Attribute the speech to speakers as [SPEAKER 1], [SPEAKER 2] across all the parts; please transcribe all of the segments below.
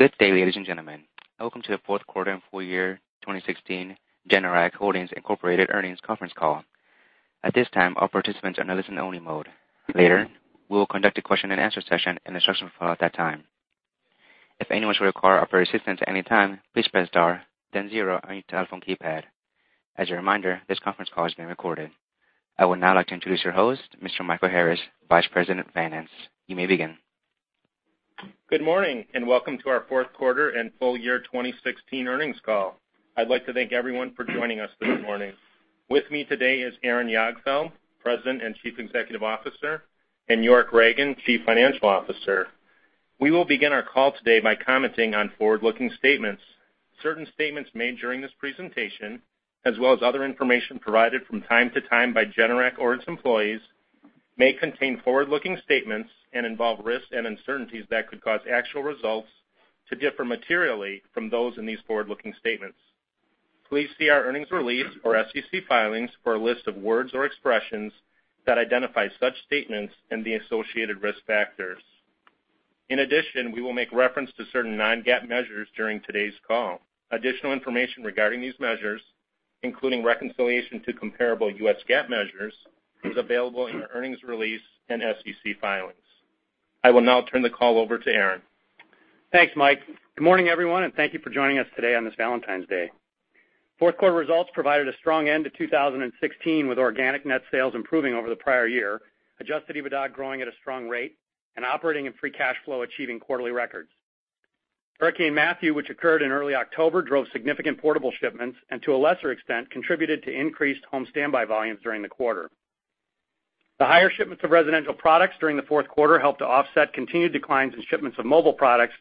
[SPEAKER 1] Good day, ladies and gentlemen. Welcome to the fourth quarter and full year 2016 Generac Holdings Inc. earnings conference call. At this time, all participants are in listen only mode. Later, we will conduct a question and answer session. Instructions will follow at that time. If anyone should require operator assistance at any time, please press star then zero on your telephone keypad. As a reminder, this conference call is being recorded. I would now like to introduce your host, Mr. Michael Harris, Vice President of Finance. You may begin.
[SPEAKER 2] Good morning. Welcome to our fourth quarter and full year 2016 earnings call. I'd like to thank everyone for joining us this morning. With me today is Aaron Jagdfeld, President and Chief Executive Officer, and York Ragen, Chief Financial Officer. We will begin our call today by commenting on forward-looking statements. Certain statements made during this presentation, as well as other information provided from time to time by Generac or its employees, may contain forward-looking statements and involve risks and uncertainties that could cause actual results to differ materially from those in these forward-looking statements. Please see our earnings release or SEC filings for a list of words or expressions that identify such statements and the associated risk factors. We will make reference to certain non-GAAP measures during today's call. Additional information regarding these measures, including reconciliation to comparable U.S. GAAP measures, is available in our earnings release and SEC filings. I will now turn the call over to Aaron Jagdfeld.
[SPEAKER 3] Thanks, Michael. Good morning, everyone. Thank you for joining us today on this Valentine's Day. Fourth quarter results provided a strong end to 2016, with organic net sales improving over the prior year, Adjusted EBITDA growing at a strong rate, and operating and free cash flow achieving quarterly records. Hurricane Matthew, which occurred in early October, drove significant portable shipments and, to a lesser extent, contributed to increased home standby volumes during the quarter. The higher shipments of residential products during the fourth quarter helped to offset continued declines in shipments of mobile products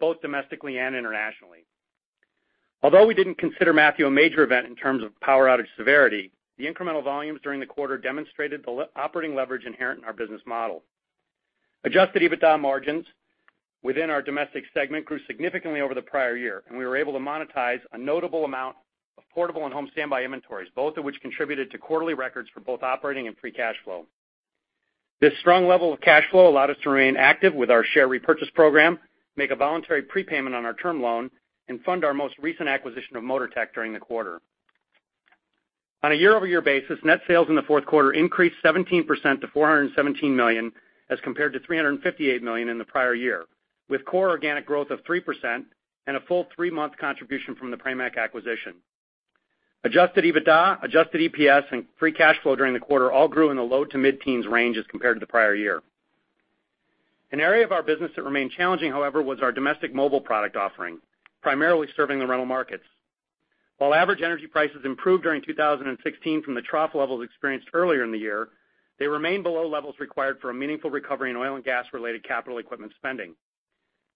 [SPEAKER 3] both domestically and internationally. Although we didn't consider Matthew a major event in terms of power outage severity, the incremental volumes during the quarter demonstrated the operating leverage inherent in our business model. Adjusted EBITDA margins within our domestic segment grew significantly over the prior year, and we were able to monetize a notable amount of portable and home standby inventories, both of which contributed to quarterly records for both operating and free cash flow. This strong level of cash flow allowed us to remain active with our share repurchase program, make a voluntary prepayment on our term loan, and fund our most recent acquisition of Motortech during the quarter. On a year-over-year basis, net sales in the fourth quarter increased 17% to $417 million as compared to $358 million in the prior year, with core organic growth of 3% and a full three-month contribution from the Pramac acquisition. Adjusted EBITDA, Adjusted EPS, and free cash flow during the quarter all grew in the low to mid-teens range as compared to the prior year. An area of our business that remained challenging, however, was our domestic mobile product offering, primarily serving the rental markets. While average energy prices improved during 2016 from the trough levels experienced earlier in the year, they remained below levels required for a meaningful recovery in oil and gas-related capital equipment spending.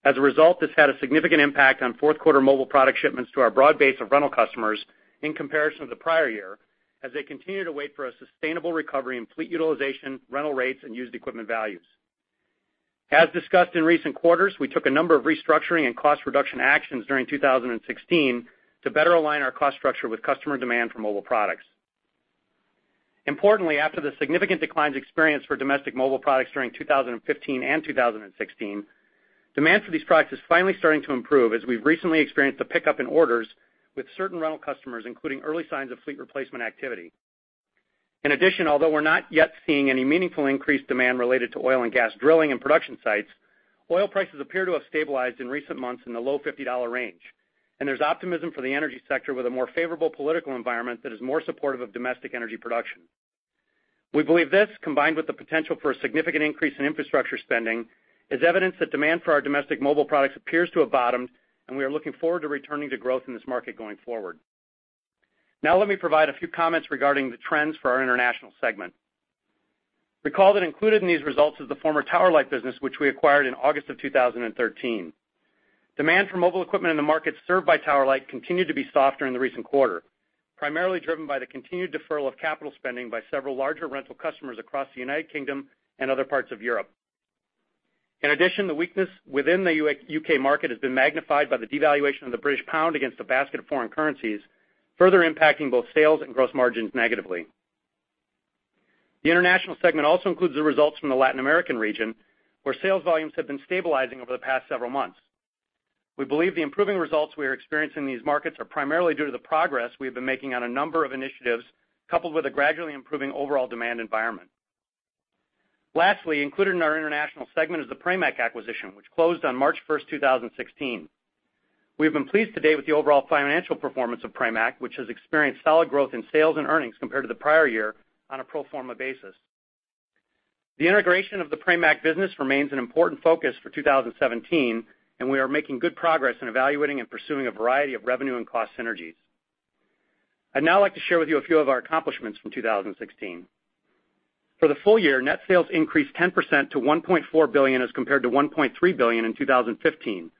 [SPEAKER 3] As a result, this had a significant impact on fourth quarter mobile product shipments to our broad base of rental customers in comparison to the prior year as they continue to wait for a sustainable recovery in fleet utilization, rental rates, and used equipment values. As discussed in recent quarters, we took a number of restructuring and cost reduction actions during 2016 to better align our cost structure with customer demand for mobile products. Importantly, after the significant declines experienced for domestic mobile products during 2015 and 2016, demand for these products is finally starting to improve as we've recently experienced a pickup in orders with certain rental customers, including early signs of fleet replacement activity. In addition, although we're not yet seeing any meaningful increased demand related to oil and gas drilling in production sites, oil prices appear to have stabilized in recent months in the low $50 range, and there's optimism for the energy sector with a more favorable political environment that is more supportive of domestic energy production. We believe this, combined with the potential for a significant increase in infrastructure spending, is evidence that demand for our domestic mobile products appears to have bottomed, and we are looking forward to returning to growth in this market going forward. Let me provide a few comments regarding the trends for our international segment. Recall that included in these results is the former Tower Light business, which we acquired in August of 2013. Demand for mobile equipment in the markets served by Tower Light continued to be soft during the recent quarter, primarily driven by the continued deferral of capital spending by several larger rental customers across the United Kingdom and other parts of Europe. In addition, the weakness within the U.K. market has been magnified by the devaluation of the British pound against a basket of foreign currencies, further impacting both sales and gross margins negatively. The international segment also includes the results from the Latin American region, where sales volumes have been stabilizing over the past several months. We believe the improving results we are experiencing in these markets are primarily due to the progress we have been making on a number of initiatives, coupled with a gradually improving overall demand environment. Lastly, included in our international segment is the Pramac acquisition, which closed on March 1st, 2016. We have been pleased to date with the overall financial performance of Pramac, which has experienced solid growth in sales and earnings compared to the prior year on a pro forma basis. The integration of the Pramac business remains an important focus for 2017. We are making good progress in evaluating and pursuing a variety of revenue and cost synergies. I'd now like to share with you a few of our accomplishments from 2016. For the full year, net sales increased 10% to $1.4 billion as compared to $1.3 billion in 2015,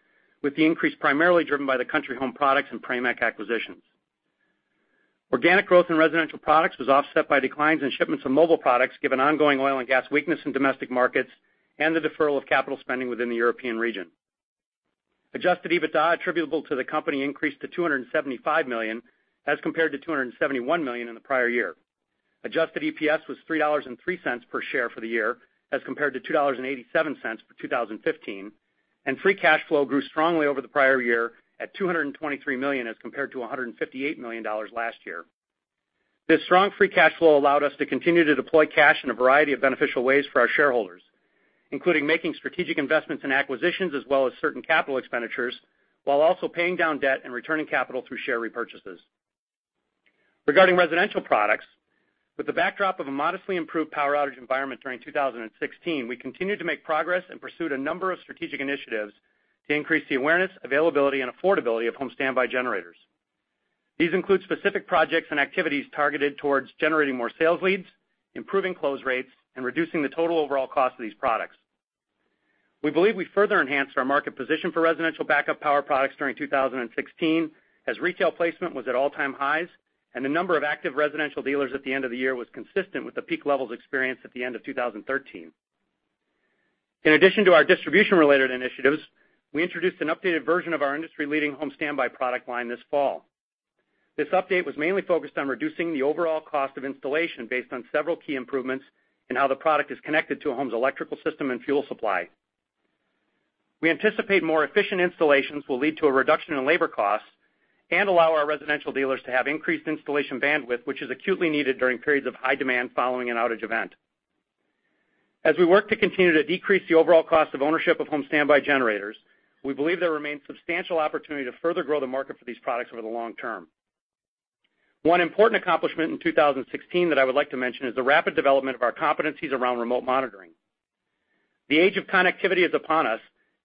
[SPEAKER 3] with the increase primarily driven by the Country Home Products and Pramac acquisitions. Organic growth in residential products was offset by declines in shipments of mobile products given ongoing oil and gas weakness in domestic markets and the deferral of capital spending within the European region. Adjusted EBITDA attributable to the company increased to $275 million as compared to $271 million in the prior year. Adjusted EPS was $3.03 per share for the year as compared to $2.87 for 2015. Free cash flow grew strongly over the prior year at $223 million as compared to $158 million last year. This strong free cash flow allowed us to continue to deploy cash in a variety of beneficial ways for our shareholders, including making strategic investments in acquisitions as well as certain capital expenditures, while also paying down debt and returning capital through share repurchases. Regarding residential products, with the backdrop of a modestly improved power outage environment during 2016, we continued to make progress and pursued a number of strategic initiatives to increase the awareness, availability, and affordability of home standby generators. These include specific projects and activities targeted towards generating more sales leads, improving close rates, and reducing the total overall cost of these products. We believe we further enhanced our market position for residential backup power products during 2016 as retail placement was at all-time highs. The number of active residential dealers at the end of the year was consistent with the peak levels experienced at the end of 2013. In addition to our distribution-related initiatives, we introduced an updated version of our industry-leading home standby product line this fall. This update was mainly focused on reducing the overall cost of installation based on several key improvements in how the product is connected to a home's electrical system and fuel supply. We anticipate more efficient installations will lead to a reduction in labor costs and allow our residential dealers to have increased installation bandwidth, which is acutely needed during periods of high demand following an outage event. As we work to continue to decrease the overall cost of ownership of home standby generators, we believe there remains substantial opportunity to further grow the market for these products over the long term. One important accomplishment in 2016 that I would like to mention is the rapid development of our competencies around remote monitoring. The age of connectivity is upon us,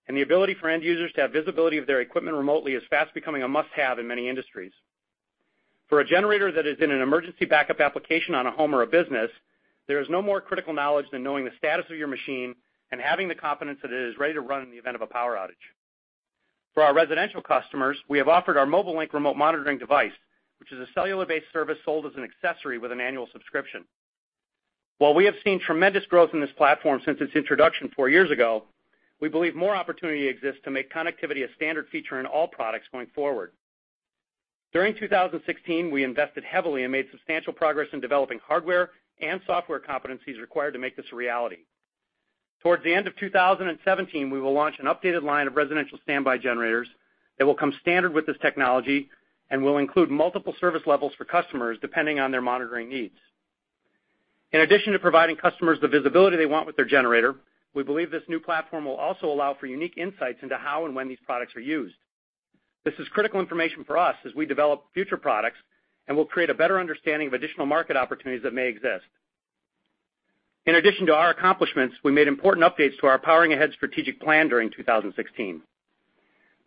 [SPEAKER 3] and the ability for end users to have visibility of their equipment remotely is fast becoming a must-have in many industries. For a generator that is in an emergency backup application on a home or a business, there is no more critical knowledge than knowing the status of your machine and having the confidence that it is ready to run in the event of a power outage. For our residential customers, we have offered our Mobile Link remote monitoring device, which is a cellular-based service sold as an accessory with an annual subscription. While we have seen tremendous growth in this platform since its introduction four years ago, we believe more opportunity exists to make connectivity a standard feature in all products going forward. During 2016, we invested heavily and made substantial progress in developing hardware and software competencies required to make this a reality. Towards the end of 2017, we will launch an updated line of residential standby generators that will come standard with this technology and will include multiple service levels for customers depending on their monitoring needs. In addition to providing customers the visibility they want with their generator, we believe this new platform will also allow for unique insights into how and when these products are used. This is critical information for us as we develop future products and will create a better understanding of additional market opportunities that may exist. In addition to our accomplishments, we made important updates to our Powering Ahead strategic plan during 2016.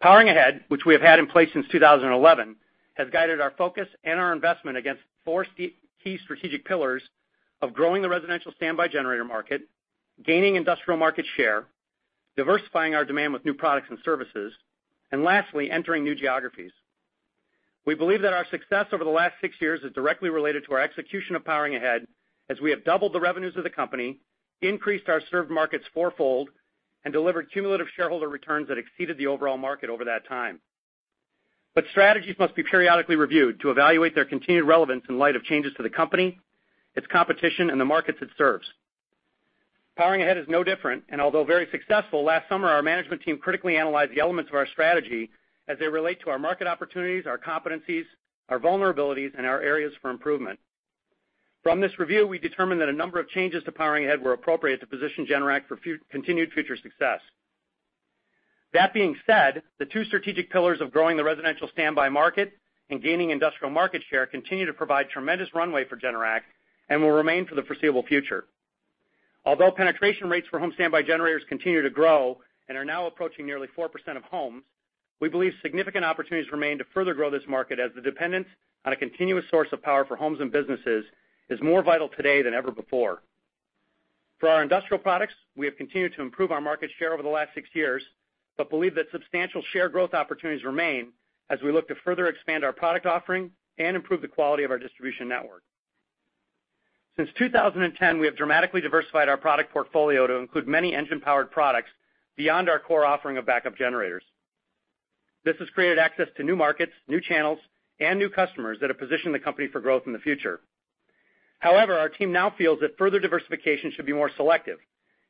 [SPEAKER 3] Powering Ahead, which we have had in place since 2011, has guided our focus and our investment against four key strategic pillars of growing the residential standby generator market, gaining industrial market share, diversifying our demand with new products and services, and lastly, entering new geographies. We believe that our success over the last six years is directly related to our execution of Powering Ahead, as we have doubled the revenues of the company, increased our served markets fourfold, and delivered cumulative shareholder returns that exceeded the overall market over that time. Strategies must be periodically reviewed to evaluate their continued relevance in light of changes to the company, its competition, and the markets it serves. Powering Ahead is no different, and although very successful, last summer our management team critically analyzed the elements of our strategy as they relate to our market opportunities, our competencies, our vulnerabilities, and our areas for improvement. From this review, we determined that a number of changes to Powering Ahead were appropriate to position Generac for continued future success. That being said, the two strategic pillars of growing the residential standby market and gaining industrial market share continue to provide tremendous runway for Generac and will remain for the foreseeable future. Although penetration rates for home standby generators continue to grow and are now approaching nearly 4% of homes, we believe significant opportunities remain to further grow this market as the dependence on a continuous source of power for homes and businesses is more vital today than ever before. For our industrial products, we have continued to improve our market share over the last six years but believe that substantial share growth opportunities remain as we look to further expand our product offering and improve the quality of our distribution network. Since 2010, we have dramatically diversified our product portfolio to include many engine-powered products beyond our core offering of backup generators. This has created access to new markets, new channels, and new customers that have positioned the company for growth in the future. Our team now feels that further diversification should be more selective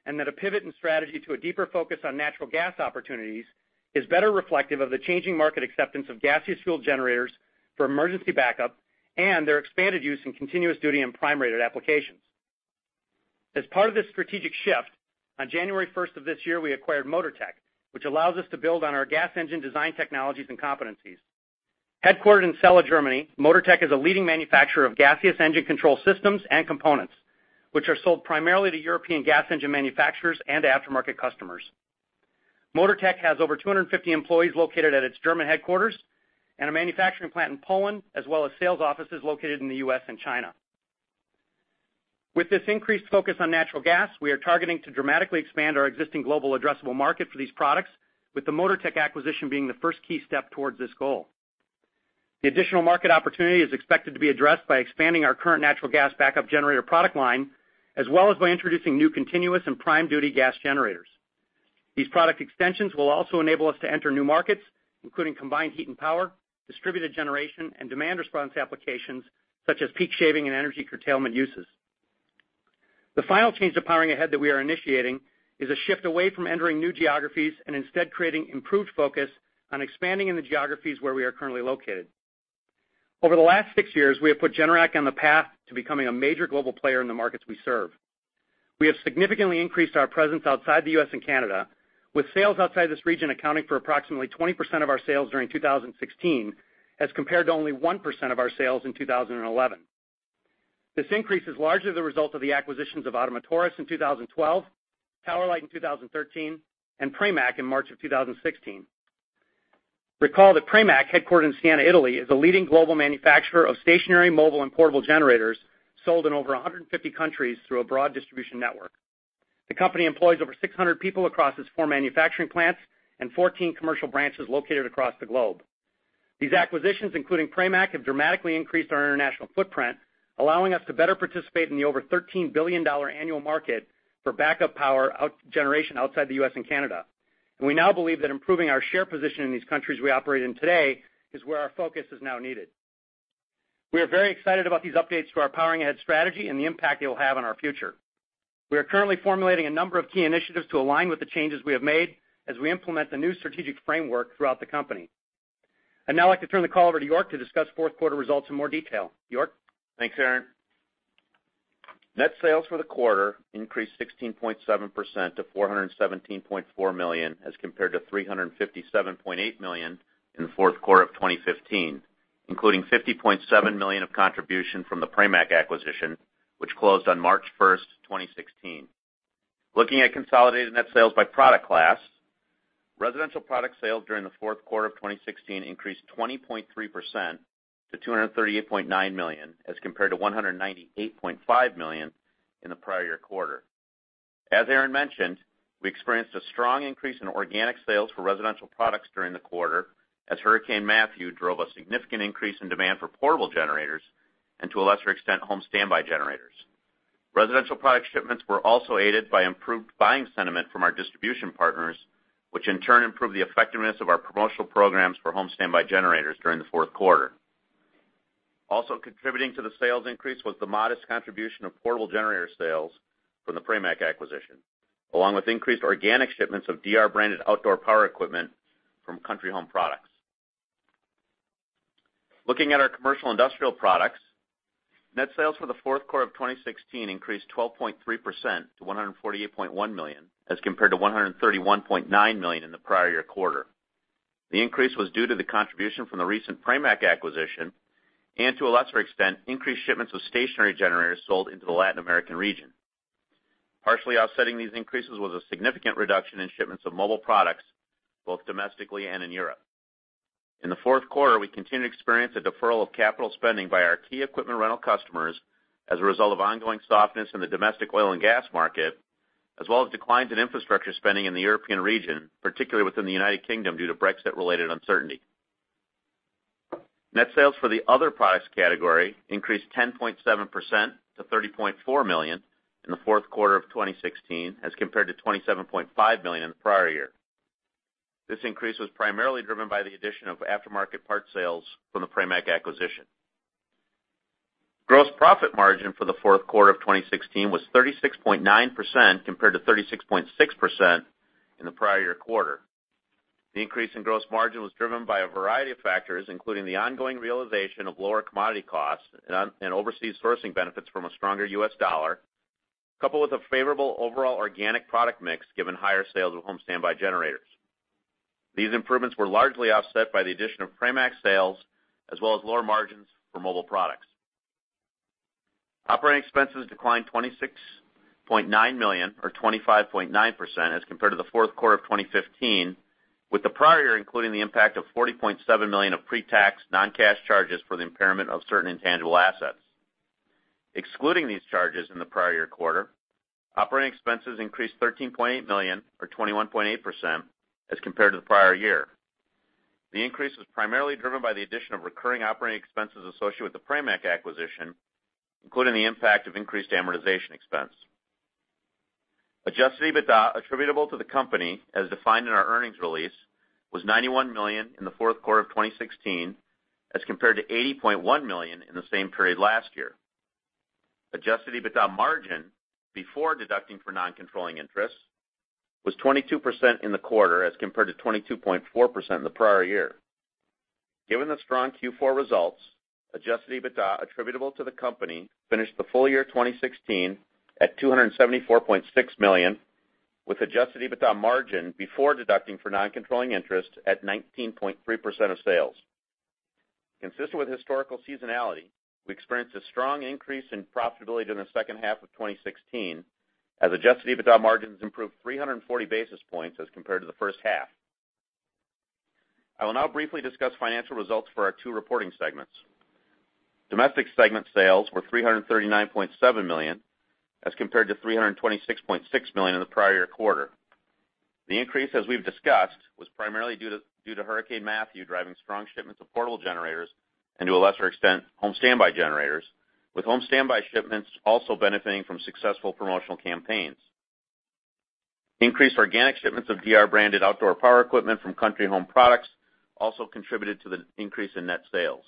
[SPEAKER 3] and that a pivot in strategy to a deeper focus on natural gas opportunities is better reflective of the changing market acceptance of gaseous fuel generators for emergency backup and their expanded use in continuous duty and prime-rated applications. As part of this strategic shift, on January 1st of this year, we acquired Motortech, which allows us to build on our gas engine design technologies and competencies. Headquartered in Celle, Germany, Motortech is a leading manufacturer of gaseous engine control systems and components, which are sold primarily to European gas engine manufacturers and aftermarket customers. Motortech has over 250 employees located at its German headquarters and a manufacturing plant in Poland as well as sales offices located in the U.S. and China. With this increased focus on natural gas, we are targeting to dramatically expand our existing global addressable market for these products, with the Motortech acquisition being the first key step towards this goal. The additional market opportunity is expected to be addressed by expanding our current natural gas backup generator product line as well as by introducing new continuous and prime duty gas generators. These product extensions will also enable us to enter new markets, including combined heat and power, distributed generation, and demand response applications such as peak shaving and energy curtailment uses. The final change to Powering Ahead that we are initiating is a shift away from entering new geographies, and instead creating improved focus on expanding in the geographies where we are currently located. Over the last six years, we have put Generac on the path to becoming a major global player in the markets we serve. We have significantly increased our presence outside the U.S. and Canada, with sales outside this region accounting for approximately 20% of our sales during 2016, as compared to only 1% of our sales in 2011. This increase is largely the result of the acquisitions of Ottomotores in 2012, Tower Light in 2013, and Pramac in March of 2016. Recall that Pramac, headquartered in Siena, Italy, is a leading global manufacturer of stationary, mobile, and portable generators sold in over 150 countries through a broad distribution network. The company employs over 600 people across its four manufacturing plants and 14 commercial branches located across the globe. These acquisitions, including Pramac, have dramatically increased our international footprint, allowing us to better participate in the over $13 billion annual market for backup power generation outside the U.S. and Canada. We now believe that improving our share position in these countries we operate in today is where our focus is now needed. We are very excited about these updates to our Powering Ahead strategy and the impact it will have on our future. We are currently formulating a number of key initiatives to align with the changes we have made as we implement the new strategic framework throughout the company. I'd now like to turn the call over to York Ragen to discuss fourth quarter results in more detail. York?
[SPEAKER 4] Thanks, Aaron. Net sales for the quarter increased 16.7% to $417.4 million, as compared to $357.8 million in the fourth quarter of 2015, including $50.7 million of contribution from the Pramac acquisition, which closed on March 1st, 2016. Looking at consolidated net sales by product class, residential product sales during the fourth quarter of 2016 increased 20.3% to $238.9 million, as compared to $198.5 million in the prior year quarter. As Aaron mentioned, we experienced a strong increase in organic sales for residential products during the quarter as Hurricane Matthew drove a significant increase in demand for portable generators and, to a lesser extent, home standby generators. Residential product shipments were also aided by improved buying sentiment from our distribution partners, which in turn improved the effectiveness of our promotional programs for home standby generators during the fourth quarter. Also contributing to the sales increase was the modest contribution of portable generator sales from the Pramac acquisition, along with increased organic shipments of DR-branded outdoor power equipment from Country Home Products. Looking at our commercial industrial products, net sales for the fourth quarter of 2016 increased 12.3% to $148.1 million, as compared to $131.9 million in the prior year quarter. The increase was due to the contribution from the recent Pramac acquisition and, to a lesser extent, increased shipments of stationary generators sold into the Latin American region. Partially offsetting these increases was a significant reduction in shipments of mobile products, both domestically and in Europe. In the fourth quarter, we continued to experience a deferral of capital spending by our key equipment rental customers as a result of ongoing softness in the domestic oil and gas market, as well as declines in infrastructure spending in the European region, particularly within the United Kingdom, due to Brexit-related uncertainty. Net sales for the other products category increased 10.7% to $30.4 million in the fourth quarter of 2016 as compared to $27.5 million in the prior year. This increase was primarily driven by the addition of aftermarket parts sales from the Pramac acquisition. Gross profit margin for the fourth quarter of 2016 was 36.9%, compared to 36.6% in the prior year quarter. The increase in gross margin was driven by a variety of factors, including the ongoing realization of lower commodity costs and overseas sourcing benefits from a stronger U.S. dollar, coupled with a favorable overall organic product mix given higher sales of home standby generators. These improvements were largely offset by the addition of Pramac's sales, as well as lower margins for mobile products. Operating expenses declined $26.9 million, or 25.9%, as compared to the fourth quarter of 2015, with the prior year including the impact of $40.7 million of pre-tax non-cash charges for the impairment of certain intangible assets. Excluding these charges in the prior year quarter, operating expenses increased $13.8 million or 21.8% as compared to the prior year. The increase was primarily driven by the addition of recurring operating expenses associated with the Pramac acquisition, including the impact of increased amortization expense. Adjusted EBITDA attributable to the company, as defined in our earnings release, was $91 million in the fourth quarter of 2016 as compared to $80.1 million in the same period last year. Adjusted EBITDA margin before deducting for non-controlling interests was 22% in the quarter as compared to 22.4% in the prior year. Given the strong Q4 results, Adjusted EBITDA attributable to the company finished the full year 2016 at $274.6 million with Adjusted EBITDA margin before deducting for non-controlling interest at 19.3% of sales. Consistent with historical seasonality, we experienced a strong increase in profitability during the second half of 2016 as Adjusted EBITDA margins improved 340 basis points as compared to the first half. I will now briefly discuss financial results for our two reporting segments. Domestic segment sales were $339.7 million as compared to $326.6 million in the prior year quarter. The increase, as we've discussed, was primarily due to Hurricane Matthew driving strong shipments of portable generators and, to a lesser extent, home standby generators. With home standby shipments also benefiting from successful promotional campaigns. Increased organic shipments of DR-branded outdoor power equipment from Country Home Products also contributed to the increase in net sales.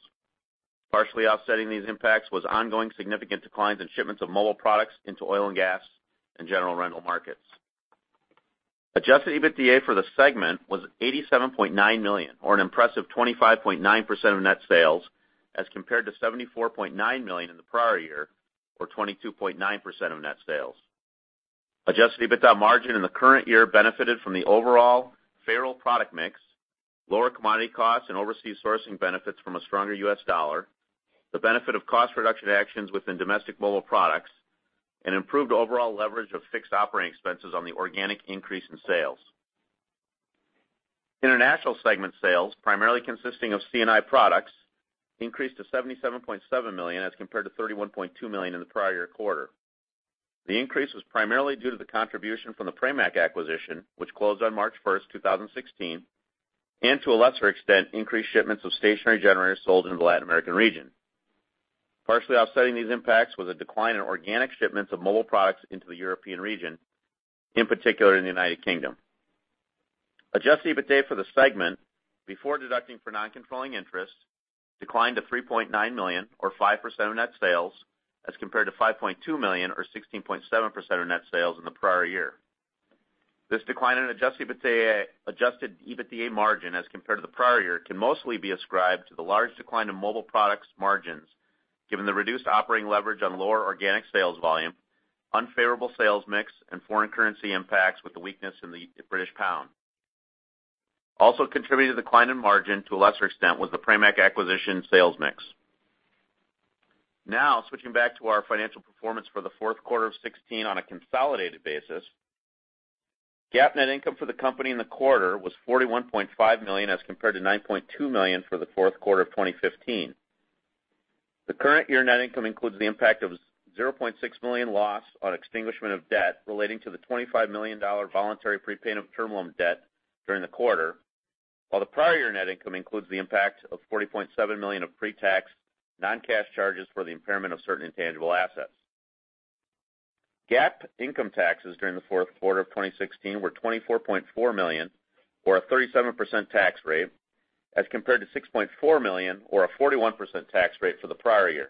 [SPEAKER 4] Partially offsetting these impacts was ongoing significant declines in shipments of mobile products into oil and gas and general rental markets. Adjusted EBITDA for the segment was $87.9 million, or an impressive 25.9% of net sales, as compared to $74.9 million in the prior year or 22.9% of net sales. Adjusted EBITDA margin in the current year benefited from the overall favorable product mix, lower commodity costs and overseas sourcing benefits from a stronger U.S. dollar, the benefit of cost reduction actions within domestic mobile products, and improved overall leverage of fixed operating expenses on the organic increase in sales. International segment sales, primarily consisting of C&I products, increased to $77.7 million as compared to $31.2 million in the prior year quarter. The increase was primarily due to the contribution from the Pramac acquisition, which closed on March 1st, 2016, and to a lesser extent, increased shipments of stationary generators sold in the Latin American region. Partially offsetting these impacts was a decline in organic shipments of mobile products into the European region, in particular in the United Kingdom. Adjusted EBITDA for the segment, before deducting for non-controlling interests, declined to $3.9 million or 5% of net sales, as compared to $5.2 million or 16.7% of net sales in the prior year. This decline in Adjusted EBITDA margin as compared to the prior year can mostly be ascribed to the large decline in mobile products margins, given the reduced operating leverage on lower organic sales volume, unfavorable sales mix, and foreign currency impacts with the weakness in the British pound. Also contributed to the decline in margin to a lesser extent was the Pramac acquisition sales mix. Now, switching back to our financial performance for the fourth quarter of 2016 on a consolidated basis. GAAP net income for the company in the quarter was $41.5 million as compared to $9.2 million for the fourth quarter of 2015. The current year net income includes the impact of $0.6 million loss on extinguishment of debt relating to the $25 million voluntary prepayment of term loan debt during the quarter. While the prior year net income includes the impact of $40.7 million of pre-tax non-cash charges for the impairment of certain intangible assets. GAAP income taxes during the fourth quarter of 2016 were $24.4 million, or a 37% tax rate, as compared to $6.4 million or a 41% tax rate for the prior year.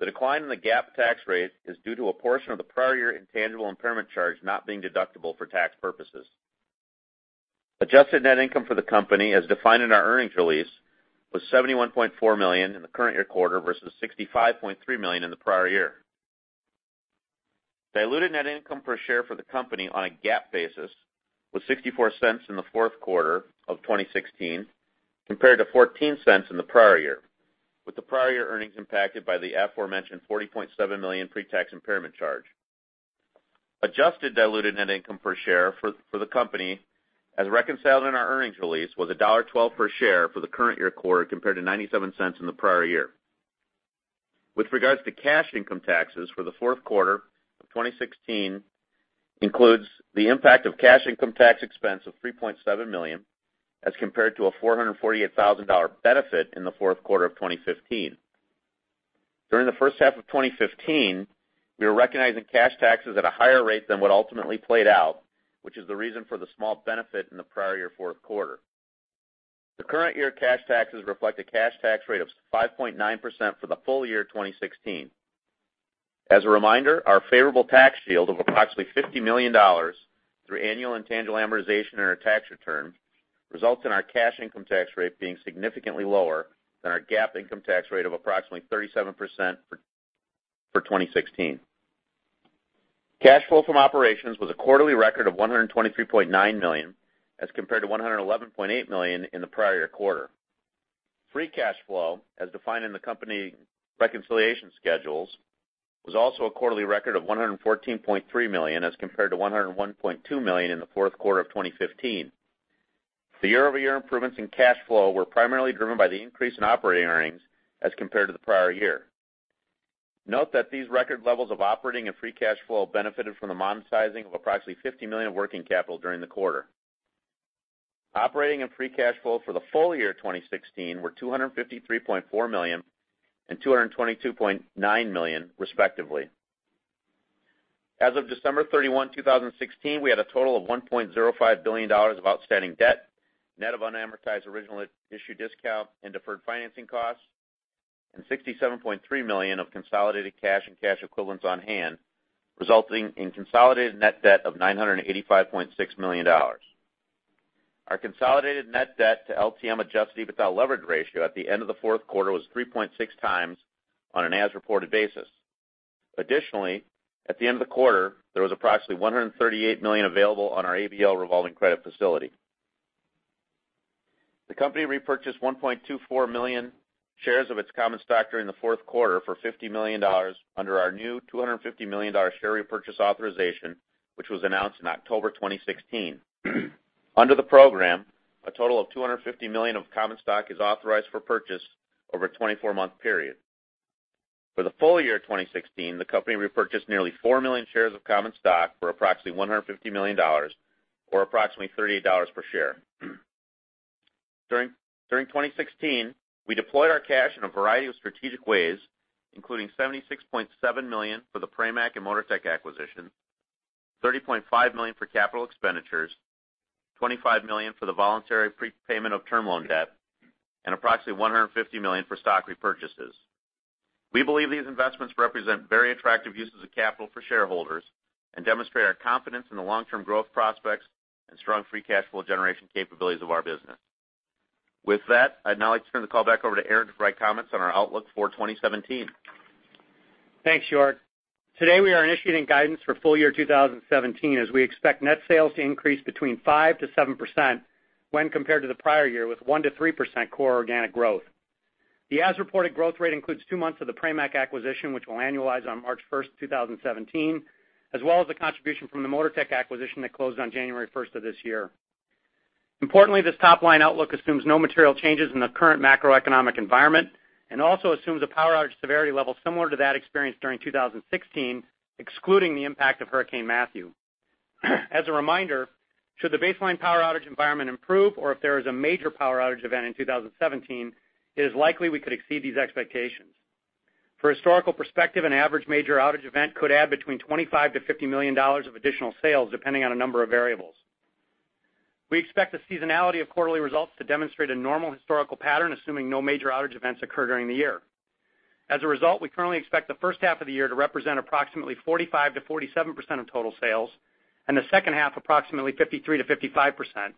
[SPEAKER 4] The decline in the GAAP tax rate is due to a portion of the prior year intangible impairment charge not being deductible for tax purposes. Adjusted net income for the company, as defined in our earnings release, was $71.4 million in the current year quarter versus $65.3 million in the prior year. Diluted net income per share for the company on a GAAP basis was $0.64 in the fourth quarter of 2016 compared to $0.14 in the prior year, with the prior year earnings impacted by the aforementioned $40.7 million pre-tax impairment charge. Adjusted diluted net income per share for the company, as reconciled in our earnings release, was $1.12 per share for the current year quarter compared to $0.97 in the prior year. With regards to cash income taxes for the fourth quarter of 2016 includes the impact of cash income tax expense of $3.7 million as compared to a $448,000 benefit in the fourth quarter of 2015. During the first half of 2015, we were recognizing cash taxes at a higher rate than what ultimately played out, which is the reason for the small benefit in the prior year fourth quarter. The current year cash taxes reflect a cash tax rate of 5.9% for the full year 2016. As a reminder, our favorable tax shield of approximately $50 million through annual intangible amortization in our tax return results in our cash income tax rate being significantly lower than our GAAP income tax rate of approximately 37% for 2016. Cash flow from operations was a quarterly record of $123.9 million as compared to $111.8 million in the prior year quarter. Free cash flow, as defined in the company reconciliation schedules, was also a quarterly record of $114.3 million as compared to $101.2 million in the fourth quarter of 2015. The year-over-year improvements in cash flow were primarily driven by the increase in operating earnings as compared to the prior year. Note that these record levels of operating and free cash flow benefited from the monetizing of approximately $50 million of working capital during the quarter. Operating and free cash flow for the full year 2016 were $253.4 million and $222.9 million respectively. As of December 31, 2016, we had a total of $1.05 billion of outstanding debt, net of unamortized original issue discount and deferred financing costs, and $67.3 million of consolidated cash and cash equivalents on hand, resulting in consolidated net debt of $985.6 million. Our consolidated net debt to LTM Adjusted EBITDA leverage ratio at the end of the fourth quarter was 3.6x on an as-reported basis. Additionally, at the end of the quarter, there was approximately $138 million available on our ABL revolving credit facility. The company repurchased 1.24 million shares of its common stock during the fourth quarter for $50 million under our new $250 million share repurchase authorization, which was announced in October 2016. Under the program, a total of $250 million of common stock is authorized for purchase over a 24-month period. For the full year 2016, the company repurchased nearly 4 million shares of common stock for approximately $150 million or approximately $38 per share. During 2016, we deployed our cash in a variety of strategic ways, including $76.7 million for the Pramac and Motortech acquisition, $30.5 million for capital expenditures, $25 million for the voluntary prepayment of term loan debt, and approximately $150 million for stock repurchases. We believe these investments represent very attractive uses of capital for shareholders and demonstrate our confidence in the long-term growth prospects and strong free cash flow generation capabilities of our business. With that, I'd now like to turn the call back over to Aaron to provide comments on our outlook for 2017.
[SPEAKER 3] Thanks, York. Today, we are initiating guidance for full year 2017 as we expect net sales to increase between 5%-7% when compared to the prior year, with 1%-3% core organic growth. The as-reported growth rate includes two months of the Pramac acquisition, which will annualize on March 1st, 2017, as well as the contribution from the Motortech acquisition that closed on January 1st of this year. Importantly, this top-line outlook assumes no material changes in the current macroeconomic environment and also assumes a power outage severity level similar to that experienced during 2016, excluding the impact of Hurricane Matthew. As a reminder, should the baseline power outage environment improve or if there is a major power outage event in 2017, it is likely we could exceed these expectations. For historical perspective, an average major outage event could add between $25 million-$50 million of additional sales, depending on a number of variables. We expect the seasonality of quarterly results to demonstrate a normal historical pattern, assuming no major outage events occur during the year. As a result, we currently expect the first half of the year to represent approximately 45%-47% of total sales, and the second half approximately 53%-55%.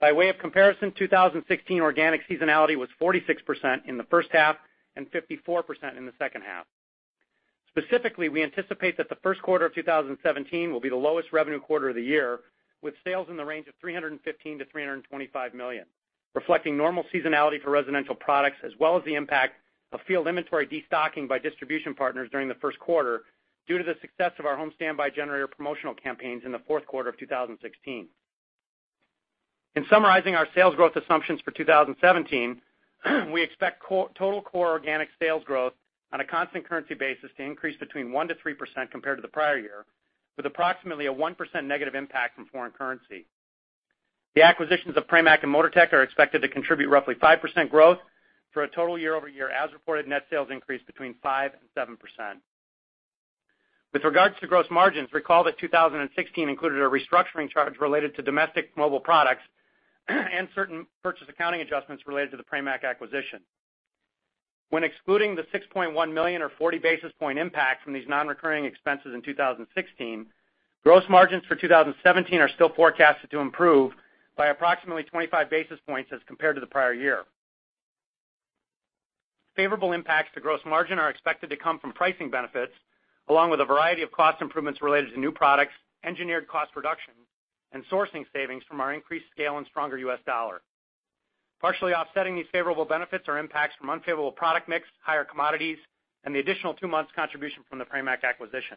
[SPEAKER 3] By way of comparison, 2016 organic seasonality was 46% in the first half and 54% in the second half. Specifically, we anticipate that the first quarter of 2017 will be the lowest revenue quarter of the year, with sales in the range of $315 million-$325 million, reflecting normal seasonality for residential products as well as the impact of field inventory destocking by distribution partners during the first quarter due to the success of our home standby generator promotional campaigns in the fourth quarter of 2016. In summarizing our sales growth assumptions for 2017, we expect total core organic sales growth on a constant currency basis to increase between 1%-3% compared to the prior year, with approximately a 1% negative impact from foreign currency. The acquisitions of Pramac and Motortech are expected to contribute roughly 5% growth for a total year-over-year as-reported net sales increase between 5%-7%. With regards to gross margins, recall that 2016 included a restructuring charge related to domestic mobile products and certain purchase accounting adjustments related to the Pramac acquisition. When excluding the $6.1 million or 40 basis points impact from these non-recurring expenses in 2016, gross margins for 2017 are still forecasted to improve by approximately 25 basis points as compared to the prior year. Favorable impacts to gross margin are expected to come from pricing benefits, along with a variety of cost improvements related to new products, engineered cost reduction, and sourcing savings from our increased scale and stronger U.S. dollar. Partially offsetting these favorable benefits are impacts from unfavorable product mix, higher commodities, and the additional two months' contribution from the Pramac acquisition.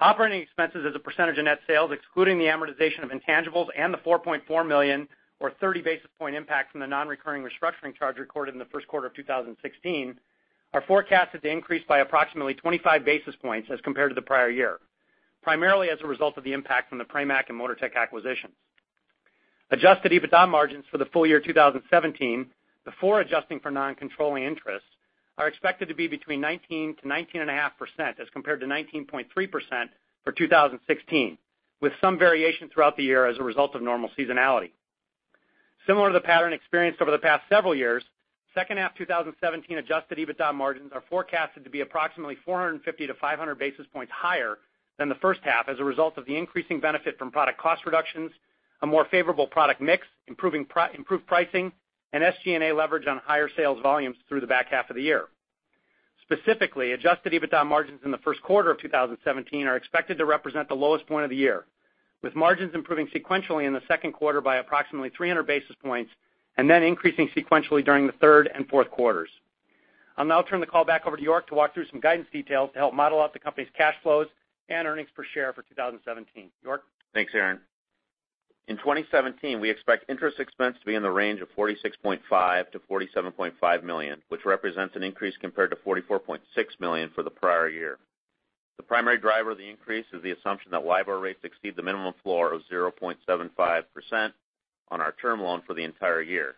[SPEAKER 3] Operating expenses as a percentage of net sales, excluding the amortization of intangibles and the $4.4 million or 30 basis points impact from the non-recurring restructuring charge recorded in the first quarter of 2016, are forecasted to increase by approximately 25 basis points as compared to the prior year, primarily as a result of the impact from the Pramac and Motortech acquisitions. Adjusted EBITDA margins for the full year 2017 before adjusting for non-controlling interests are expected to be between 19%-19.5% as compared to 19.3% for 2016, with some variation throughout the year as a result of normal seasonality. Similar to the pattern experienced over the past several years, second half 2017 Adjusted EBITDA margins are forecasted to be approximately 450 basis points-500 basis points higher than the first half as a result of the increasing benefit from product cost reductions, a more favorable product mix, improved pricing, and SG&A leverage on higher sales volumes through the back half of the year. Specifically, Adjusted EBITDA margins in the first quarter of 2017 are expected to represent the lowest point of the year, with margins improving sequentially in the second quarter by approximately 300 basis points and then increasing sequentially during the third and fourth quarters. I'll now turn the call back over to York to walk through some guidance details to help model out the company's cash flows and earnings per share for 2017. York?
[SPEAKER 4] Thanks, Aaron. In 2017, we expect interest expense to be in the range of $46.5 million-$47.5 million, which represents an increase compared to $44.6 million for the prior year. The primary driver of the increase is the assumption that LIBOR rates exceed the minimum floor of 0.75% on our term loan for the entire year.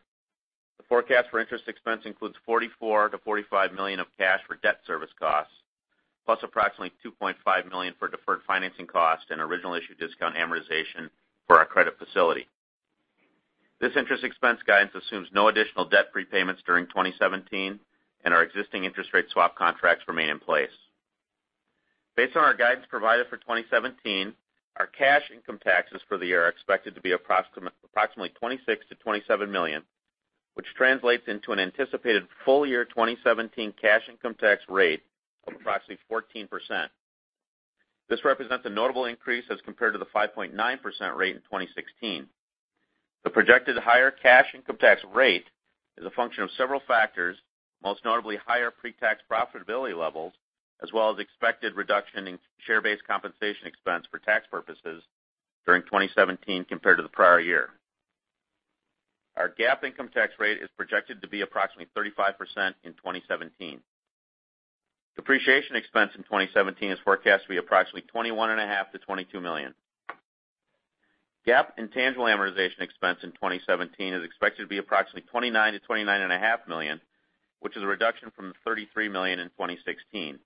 [SPEAKER 4] The forecast for interest expense includes $44 million-$45 million of cash for debt service costs, plus approximately $2.5 million for deferred financing costs and original issue discount amortization for our credit facility. This interest expense guidance assumes no additional debt prepayments during 2017 and our existing interest rate swap contracts remain in place. Based on our guidance provided for 2017, our cash income taxes for the year are expected to be approximately $26 million-$27 million, which translates into an anticipated full-year 2017 cash income tax rate of approximately 14%. This represents a notable increase as compared to the 5.9% rate in 2016. The projected higher cash income tax rate is a function of several factors, most notably higher pre-tax profitability levels as well as expected reduction in share-based compensation expense for tax purposes during 2017 compared to the prior year. Our GAAP income tax rate is projected to be approximately 35% in 2017. Depreciation expense in 2017 is forecast to be approximately $21.5 million-$22 million. GAAP intangible amortization expense in 2017 is expected to be approximately $29 million-$29.5 million, which is a reduction from the $33 million in 2016.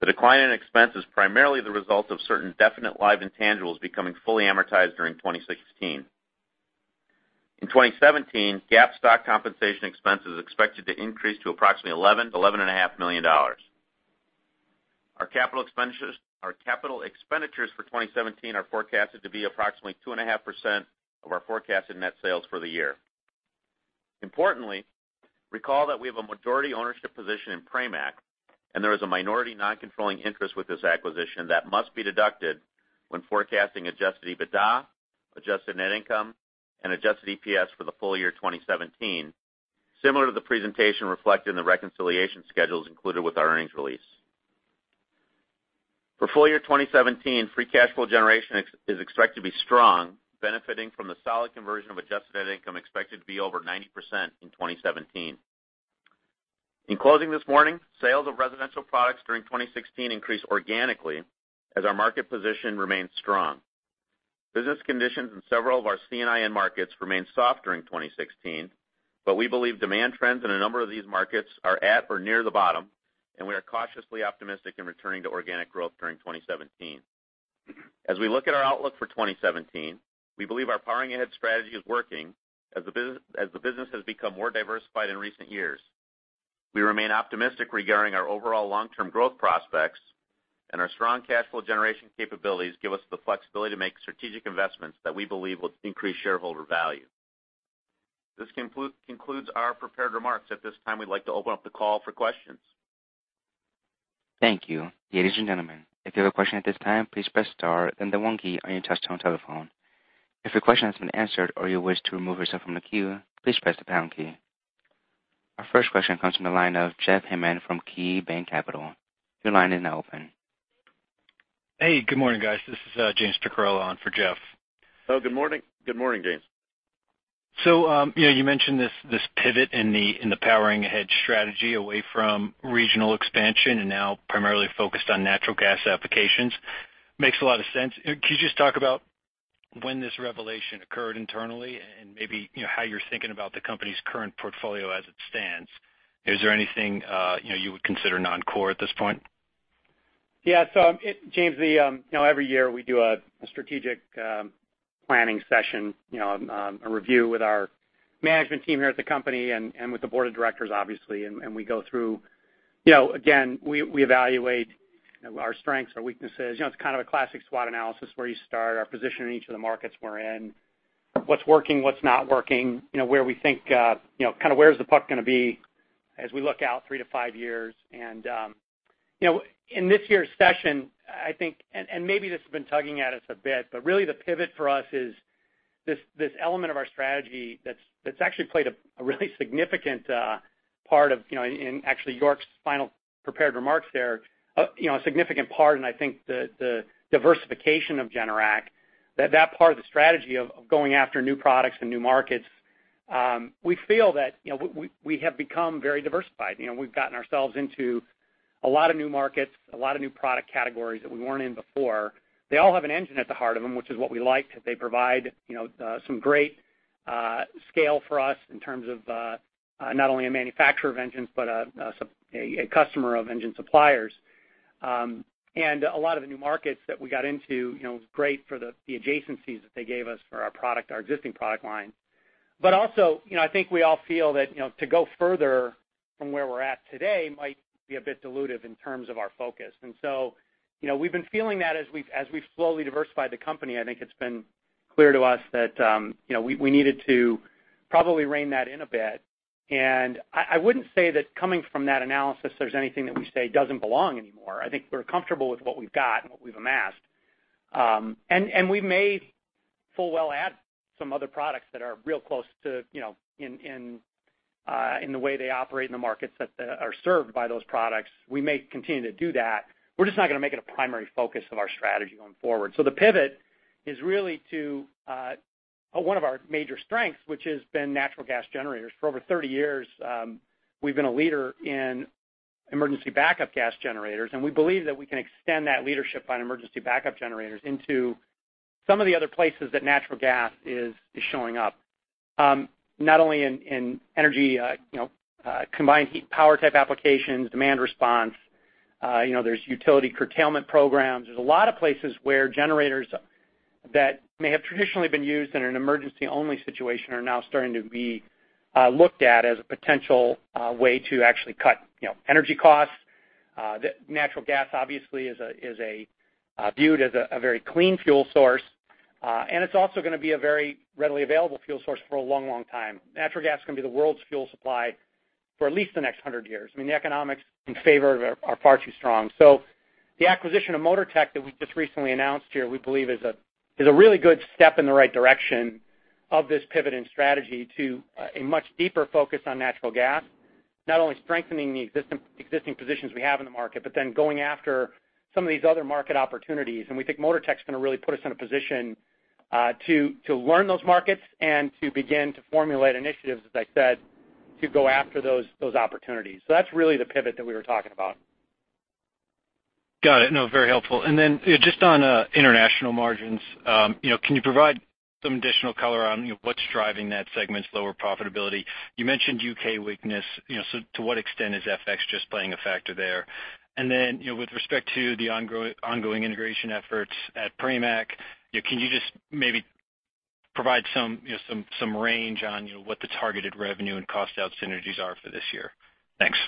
[SPEAKER 4] The decline in expense is primarily the result of certain definite live intangibles becoming fully amortized during 2016. In 2017, GAAP stock compensation expense is expected to increase to approximately $11 million-$11.5 million. Our capital expenditures for 2017 are forecasted to be approximately 2.5% of our forecasted net sales for the year. Importantly, recall that we have a majority ownership position in Pramac, and there is a minority non-controlling interest with this acquisition that must be deducted when forecasting Adjusted EBITDA, adjusted net income, and Adjusted EPS for the full year 2017, similar to the presentation reflected in the reconciliation schedules included with our earnings release. For full year 2017, free cash flow generation is expected to be strong, benefiting from the solid conversion of adjusted net income expected to be over 90% in 2017. In closing this morning, sales of residential products during 2016 increased organically as our market position remains strong. Business conditions in several of our C&I markets remained soft during 2016. We believe demand trends in a number of these markets are at or near the bottom, and we are cautiously optimistic in returning to organic growth during 2017. We look at our outlook for 2017, we believe our Powering Ahead strategy is working as the business has become more diversified in recent years. Our strong cash flow generation capabilities give us the flexibility to make strategic investments that we believe will increase shareholder value. This concludes our prepared remarks. At this time, we'd like to open up the call for questions.
[SPEAKER 1] Thank you. Ladies and gentlemen, if you have a question at this time, please press star then the one key on your touchtone telephone. If your question has been answered or you wish to remove yourself from the queue, please press the pound key. Our first question comes from the line of Jeff Hammond from KeyBanc Capital Markets. Your line is now open.
[SPEAKER 5] Hey, good morning, guys. This is James Uihlein on for Jeff.
[SPEAKER 4] Good morning, James.
[SPEAKER 5] You mentioned this pivot in the Powering Ahead strategy away from regional expansion and now primarily focused on natural gas applications. Makes a lot of sense. Could you just talk about when this revelation occurred internally and maybe how you're thinking about the company's current portfolio as it stands? Is there anything you would consider non-core at this point?
[SPEAKER 3] Yeah. James, every year we do a strategic planning session, a review with our management team here at the company and with the board of directors, obviously. We go through, again, we evaluate our strengths, our weaknesses. It's kind of a classic SWOT analysis where you start our position in each of the markets we're in, what's working, what's not working, where we think, kind of where is the puck going to be as we look out 3 to 5 years. In this year's session, I think, and maybe this has been tugging at us a bit, really the pivot for us is this element of our strategy that's actually played a really significant part of, in actually York's final prepared remarks there, a significant part and I think the diversification of Generac, that part of the strategy of going after new products and new markets. We feel that we have become very diversified. We've gotten ourselves into a lot of new markets, a lot of new product categories that we weren't in before. They all have an engine at the heart of them, which is what we like. They provide some great scale for us in terms of not only a manufacturer of engines, but a customer of engine suppliers. A lot of the new markets that we got into, it was great for the adjacencies that they gave us for our existing product line. Also, I think we all feel that to go further from where we're at today might be a bit dilutive in terms of our focus. We've been feeling that as we've slowly diversified the company. I think it's been clear to us that we needed to probably rein that in a bit. I wouldn't say that coming from that analysis, there's anything that we say doesn't belong anymore. I think we're comfortable with what we've got and what we've amassed. We may full well add some other products that are real close in the way they operate in the markets that are served by those products. We may continue to do that. We're just not going to make it a primary focus of our strategy going forward. The pivot is really to one of our major strengths, which has been natural gas generators. For over 30 years, we've been a leader in emergency backup gas generators, we believe that we can extend that leadership on emergency backup generators into some of the other places that natural gas is showing up. Not only in energy, combined heat power type applications, demand response. There's utility curtailment programs. There's a lot of places where generators that may have traditionally been used in an emergency-only situation are now starting to be looked at as a potential way to actually cut energy costs. Natural gas obviously is viewed as a very clean fuel source. It's also going to be a very readily available fuel source for a long, long time. Natural gas is going to be the world's fuel supply for at least the next 100 years. I mean, the economics in favor are far too strong. The acquisition of Motortech that we just recently announced here we believe is a really good step in the right direction of this pivot in strategy to a much deeper focus on natural gas, not only strengthening the existing positions we have in the market, going after some of these other market opportunities. We think Motortech is going to really put us in a position to learn those markets and to begin to formulate initiatives, as I said, to go after those opportunities. That's really the pivot that we were talking about.
[SPEAKER 5] Got it. No, very helpful. Then just on international margins, can you provide some additional color on what's driving that segment's lower profitability? You mentioned U.K. weakness, so to what extent is FX just playing a factor there? Then, with respect to the ongoing integration efforts at Pramac, can you just maybe provide some range on what the targeted revenue and cost out synergies are for this year? Thanks.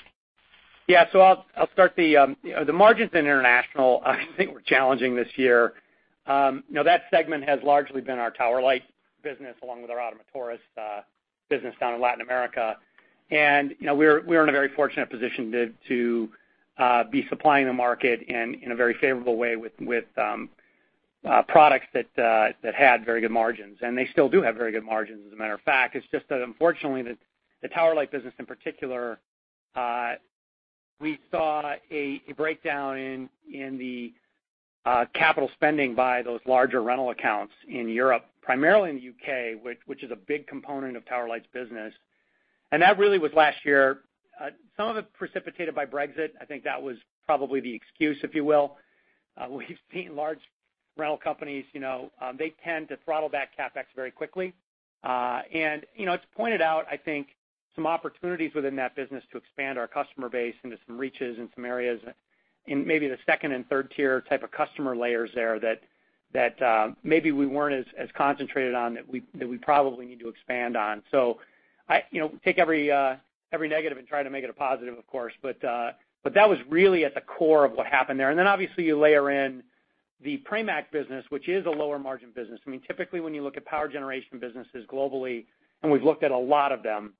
[SPEAKER 3] Yeah. I'll start the margins in international, I think were challenging this year. That segment has largely been our Tower Light business along with our Ottomotores business down in Latin America. We're in a very fortunate position to be supplying the market in a very favorable way with products that had very good margins, and they still do have very good margins as a matter of fact. It's just that unfortunately, the Tower Light business in particular, we saw a breakdown in the capital spending by those larger rental accounts in Europe, primarily in the U.K., which is a big component of Tower Light's business. That really was last year. Some of it precipitated by Brexit. I think that was probably the excuse, if you will. We've seen large rental companies, they tend to throttle back CapEx very quickly. It's pointed out, I think, some opportunities within that business to expand our customer base into some reaches in some areas in maybe the 2nd and 3rd tier type of customer layers there that maybe we weren't as concentrated on that we probably need to expand on. Take every negative and try to make it a positive of course. That was really at the core of what happened there. Then obviously you layer in the Pramac business, which is a lower margin business. Typically, when you look at power generation businesses globally, and we've looked at a lot of them,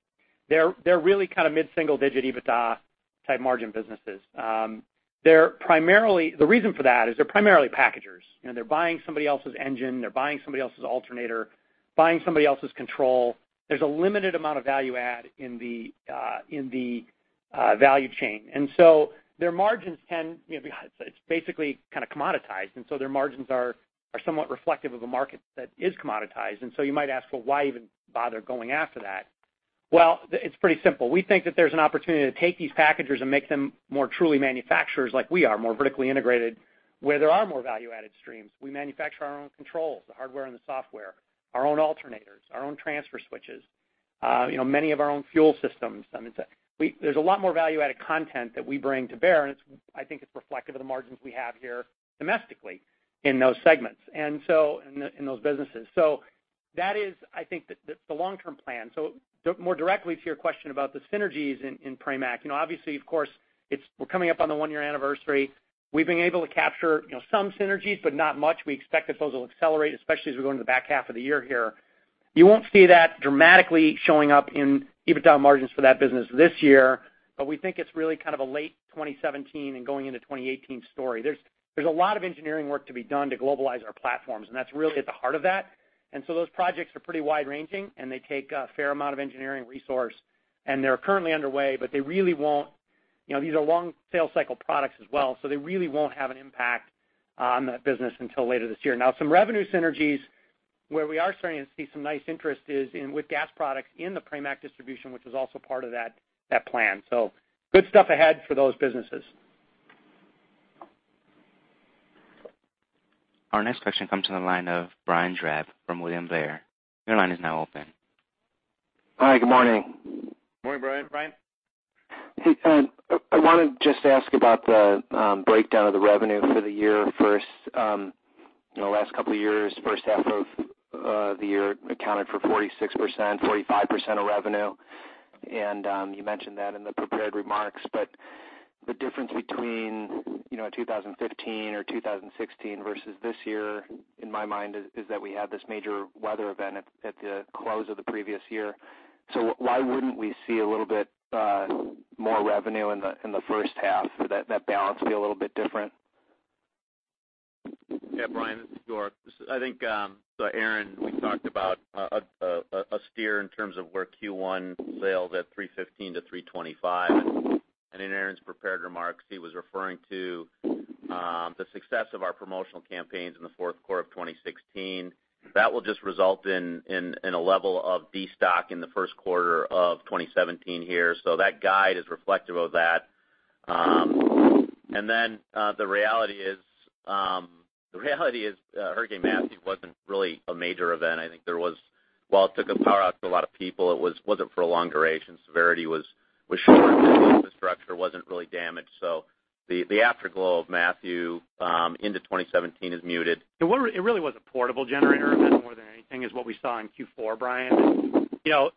[SPEAKER 3] they're really kind of mid-single-digit EBITDA type margin businesses. The reason for that is they're primarily packagers. They're buying somebody else's engine. They're buying somebody else's alternator, buying somebody else's control. There's a limited amount of value add in the value chain. Their margins, it's basically kind of commoditized, their margins are somewhat reflective of a market that is commoditized. You might ask, "Well, why even bother going after that?" Well, it's pretty simple. We think that there's an opportunity to take these packagers and make them more truly manufacturers like we are, more vertically integrated, where there are more value-added streams. We manufacture our own controls, the hardware and the software, our own alternators, our own transfer switches, many of our own fuel systems. There's a lot more value-added content that we bring to bear, and I think it's reflective of the margins we have here domestically in those segments, and in those businesses. That is, I think, the long-term plan. More directly to your question about the synergies in Pramac. Obviously, of course, we're coming up on the one-year anniversary. We've been able to capture some synergies, but not much. We expect that those will accelerate, especially as we go into the back half of the year here. You won't see that dramatically showing up in EBITDA margins for that business this year, but we think it's really kind of a late 2017 and going into 2018 story. There's a lot of engineering work to be done to globalize our platforms, and that's really at the heart of that. Those projects are pretty wide-ranging, and they take a fair amount of engineering resource, and they're currently underway, but they really won't, these are long sales cycle products as well, they really won't have an impact on that business until later this year. Now, some revenue synergies where we are starting to see some nice interest is in with gas products in the Pramac distribution, which is also part of that plan. Good stuff ahead for those businesses.
[SPEAKER 1] Our next question comes from the line of Brian Drab from William Blair. Your line is now open.
[SPEAKER 6] Hi, good morning.
[SPEAKER 3] Morning, Brian.
[SPEAKER 4] Brian.
[SPEAKER 6] Hey, I want to just ask about the breakdown of the revenue for the year. First, the last couple of years, first half of the year accounted for 46%, 45% of revenue. You mentioned that in the prepared remarks, but the difference between 2015 or 2016 versus this year, in my mind, is that we had this major weather event at the close of the previous year. Why wouldn't we see a little bit more revenue in the first half? Would that balance be a little bit different?
[SPEAKER 4] Yeah, Brian, this is York. I think, Aaron, we talked about a steer in terms of where Q1 sales at $315-$325. In Aaron's prepared remarks, he was referring to the success of our promotional campaigns in the fourth quarter of 2016. That will just result in a level of destock in the first quarter of 2017 here. That guide is reflective of that. The reality is Hurricane Matthew wasn't really a major event. I think there was, while it took power out to a lot of people, it wasn't for a long duration. Severity was short, and infrastructure wasn't really damaged. The afterglow of Matthew into 2017 is muted.
[SPEAKER 3] It really was a portable generator event more than anything is what we saw in Q4, Brian.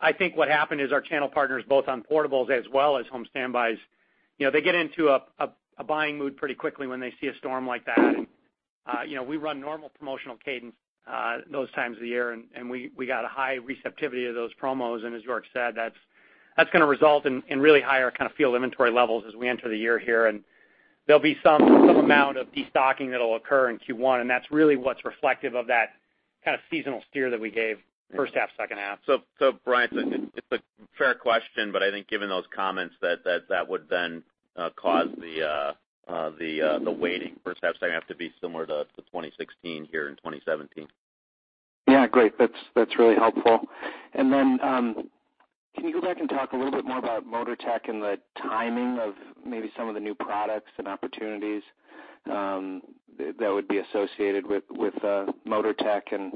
[SPEAKER 3] I think what happened is our channel partners, both on portables as well as home standby generators, they get into a buying mood pretty quickly when they see a storm like that. We run normal promotional cadence those times of the year, and we got a high receptivity to those promos. As York Ragen said, that's going to result in really higher kind of field inventory levels as we enter the year here. There'll be some amount of destocking that will occur in Q1, and that's really what's reflective of that kind of seasonal steer that we gave first half, second half.
[SPEAKER 4] Brian, it's a fair question, but I think given those comments that would cause the weighting for perhaps going to have to be similar to 2016 here in 2017.
[SPEAKER 6] Great. That's really helpful. Then, can you go back and talk a little bit more about Motortech and the timing of maybe some of the new products and opportunities that would be associated with Motortech and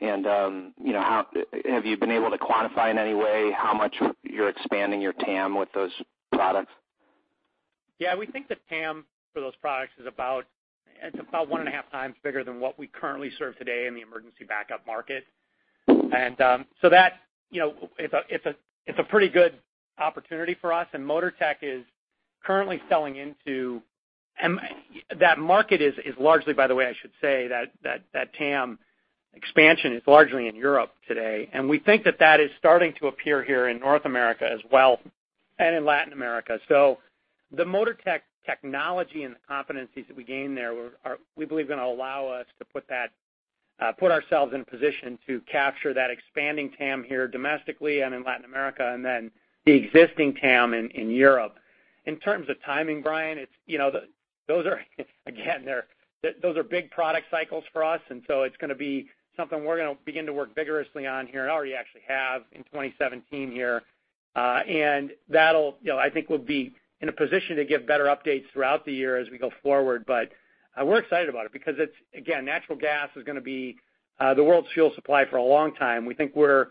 [SPEAKER 6] have you been able to quantify in any way how much you're expanding your total addressable market with those products?
[SPEAKER 3] We think the TAM for those products is about one and a half times bigger than what we currently serve today in the emergency backup market. It's a pretty good opportunity for us, and Motortech is currently selling into that market is largely, by the way, I should say, that TAM expansion is largely in Europe today. We think that that is starting to appear here in North America as well and in Latin America. The Motortech technology and the competencies that we gain there we believe are going to allow us to put ourselves in position to capture that expanding TAM here domestically and in Latin America, and then the existing TAM in Europe. In terms of timing, Brian, those are big product cycles for us. It's going to be something we're going to begin to work vigorously on here, and already actually have in 2017 here. I think we'll be in a position to give better updates throughout the year as we go forward. We're excited about it because, again, natural gas is going to be the world's fuel supply for a long time. We think we're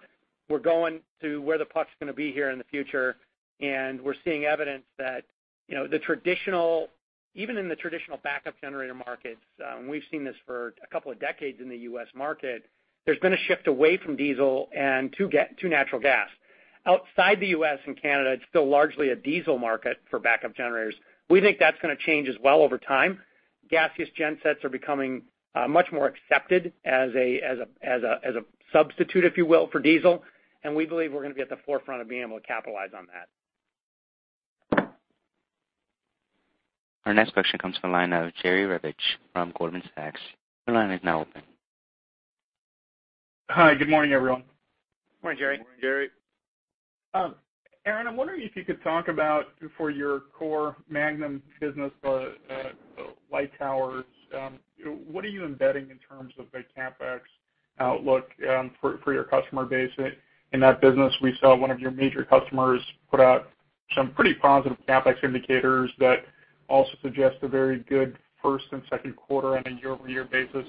[SPEAKER 3] going to where the puck's going to be here in the future, and we're seeing evidence that even in the traditional backup generator markets, and we've seen this for a couple of decades in the U.S. market, there's been a shift away from diesel and to natural gas. Outside the U.S. and Canada, it's still largely a diesel market for backup generators. We think that's going to change as well over time. Gaseous gensets are becoming much more accepted as a substitute, if you will, for diesel, and we believe we're going to be at the forefront of being able to capitalize on that
[SPEAKER 1] Our next question comes from the line of Jerry Revich from Goldman Sachs. Your line is now open.
[SPEAKER 7] Hi, good morning, everyone.
[SPEAKER 3] Morning, Jerry.
[SPEAKER 4] Morning, Jerry.
[SPEAKER 7] Aaron, I'm wondering if you could talk about for your core Magnum business, the light towers. What are you embedding in terms of the CapEx outlook for your customer base in that business? We saw one of your major customers put out some pretty positive CapEx indicators that also suggest a very good first and second quarter on a year-over-year basis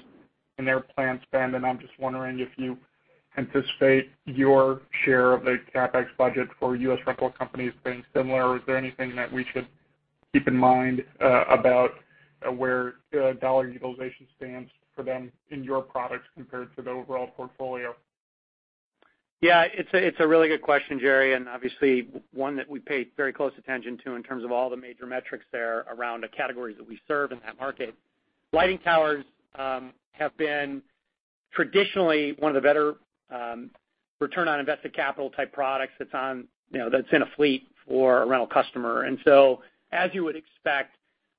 [SPEAKER 7] in their planned spend. I'm just wondering if you anticipate your share of the CapEx budget for U.S. rental companies being similar, or is there anything that we should keep in mind about where dollar utilization stands for them in your products compared to the overall portfolio?
[SPEAKER 3] Yeah, it's a really good question, Jerry, obviously one that we pay very close attention to in terms of all the major metrics there around the categories that we serve in that market. Lighting towers have been traditionally one of the better return on invested capital type products that's in a fleet for a rental customer. So as you would expect,